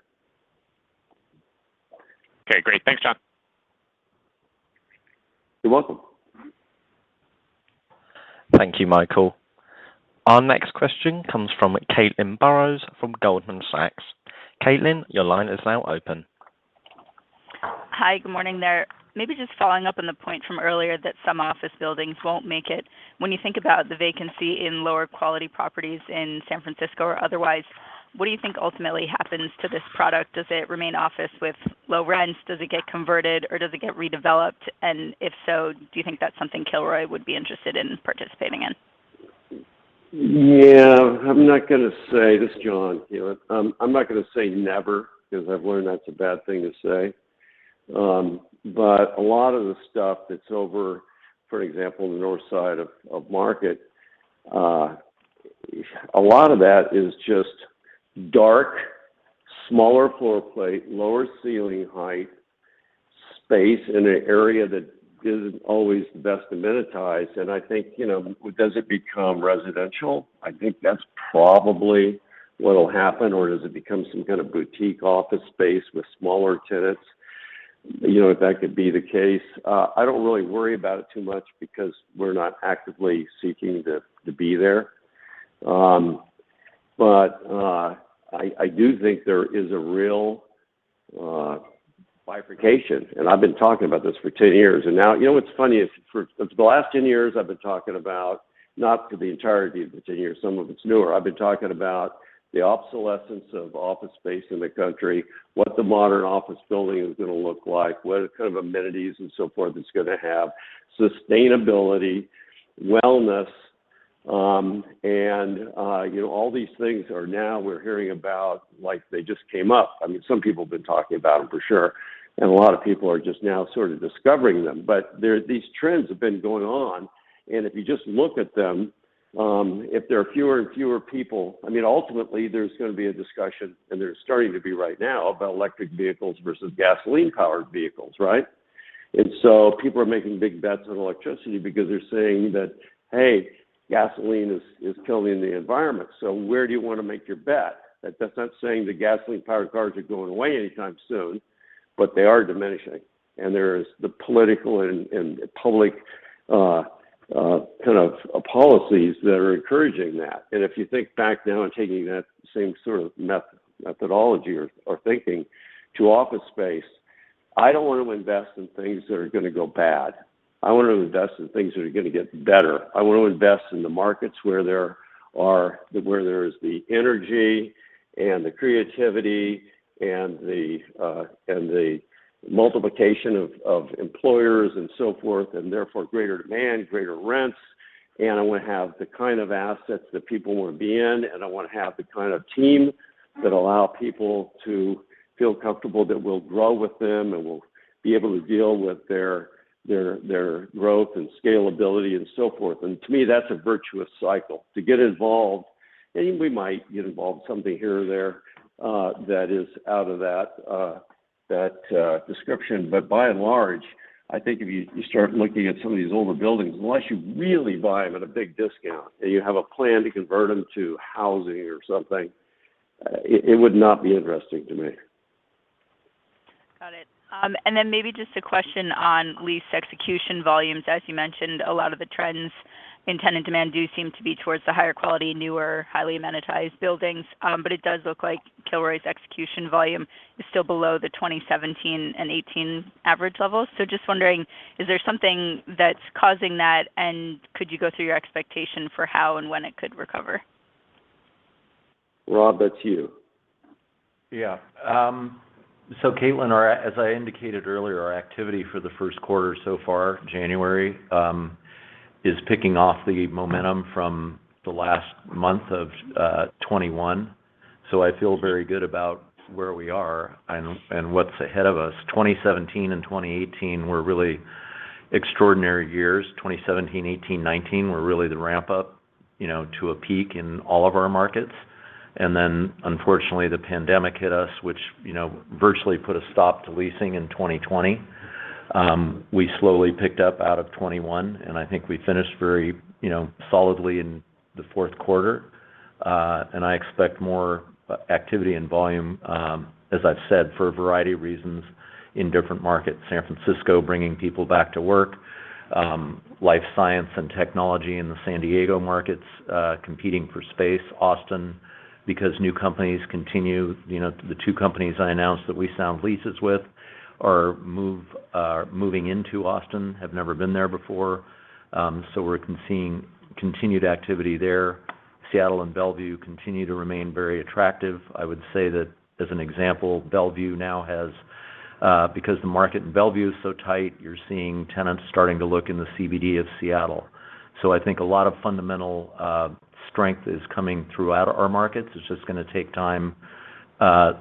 Okay, great. Thanks, John. You're welcome. Thank you, Michael. Our next question comes from Caitlin Burrows from Goldman Sachs. Caitlin, your line is now open. Hi. Good morning there. Maybe just following up on the point from earlier that some office buildings won't make it. When you think about the vacancy in lower quality properties in San Francisco or otherwise, what do you think ultimately happens to this product? Does it remain office with low rents? Does it get converted, or does it get redeveloped? If so, do you think that's something Kilroy would be interested in participating in? I'm not gonna say never because I've learned that's a bad thing to say. This is John, Caitlin. A lot of the stuff that's over, for example, in the north side of Market, a lot of that is just dark, smaller floor plate, lower ceiling height space in an area that isn't always the best amenitized. I think, you know, does it become residential? I think that's probably what'll happen. Or does it become some kind of boutique office space with smaller tenants? You know, that could be the case. I don't really worry about it too much because we're not actively seeking to be there. I do think there is a real bifurcation, and I've been talking about this for 10 years. Now, you know what's funny is for the last 10 years, I've been talking about, not for the entirety of the 10 years, some of it's newer. I've been talking about the obsolescence of office space in the country, what the modern office building is gonna look like, what kind of amenities and so forth it's gonna have. Sustainability, wellness, and you know, all these things are now, we're hearing about like they just came up. I mean, some people have been talking about them for sure, and a lot of people are just now sort of discovering them. There, these trends have been going on, and if you just look at them, if there are fewer and fewer people. I mean, ultimately, there's gonna be a discussion, and there's starting to be right now, about electric vehicles versus gasoline-powered vehicles, right? People are making big bets on electricity because they're saying that, "Hey, gasoline is killing the environment, so where do you wanna make your bet?" That's not saying that gasoline-powered cars are going away anytime soon, but they are diminishing. There's the political and public kind of policies that are encouraging that. If you think back now and taking that same sort of methodology or thinking to office space, I don't wanna invest in things that are gonna go bad. I wanna invest in the markets where there is the energy and the creativity and the multiplication of employers and so forth, and therefore greater demand, greater rents. I wanna have the kind of assets that people wanna be in, and I wanna have the kind of team that allow people to feel comfortable, that will grow with them and will be able to deal with their growth and scalability and so forth. To me, that's a virtuous cycle. To get involved, and we might get involved something here or there, that is out of that description. By and large, I think if you start looking at some of these older buildings, unless you really buy them at a big discount and you have a plan to convert them to housing or something, it would not be interesting to me. Got it. Maybe just a question on lease execution volumes. As you mentioned, a lot of the trends in tenant demand do seem to be towards the higher quality, newer, highly amenitized buildings. It does look like Kilroy's execution volume is still below the 2017 and 2018 average levels. Just wondering, is there something that's causing that, and could you go through your expectation for how and when it could recover? Rob, that's you. Yeah. Caitlin, as I indicated earlier, our activity for the first quarter so far, January, is picking up the momentum from the last month of 2021. I feel very good about where we are and what's ahead of us. 2017 and 2018 were really extraordinary years. 2017, 2018, 2019 were really the ramp up, you know, to a peak in all of our markets. Unfortunately, the pandemic hit us, which, you know, virtually put a stop to leasing in 2020. We slowly picked up in 2021, and I think we finished very, you know, solidly in the fourth quarter. I expect more activity and volume, as I've said, for a variety of reasons in different markets. San Francisco bringing people back to work. Life science and technology in the San Diego markets, competing for space. Austin, because new companies continue. You know, the two companies I announced that we signed leases with are moving into Austin, have never been there before. So we're seeing continued activity there. Seattle and Bellevue continue to remain very attractive. I would say that, as an example, Bellevue, because the market in Bellevue is so tight, you're seeing tenants starting to look in the CBD of Seattle. So I think a lot of fundamental strength is coming throughout our markets. It's just gonna take time,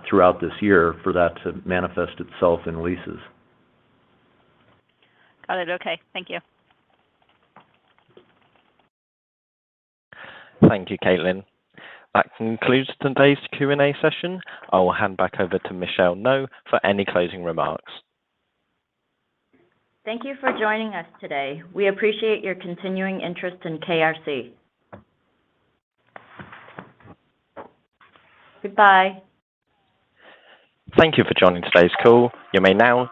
throughout this year for that to manifest itself in leases. Got it. Okay, thank you. Thank you, Caitlin. That concludes today's Q&A session. I will hand back over to Michelle Ngo for any closing remarks. Thank you for joining us today. We appreciate your continuing interest in KRC. Goodbye. Thank you for joining today's call. You may now.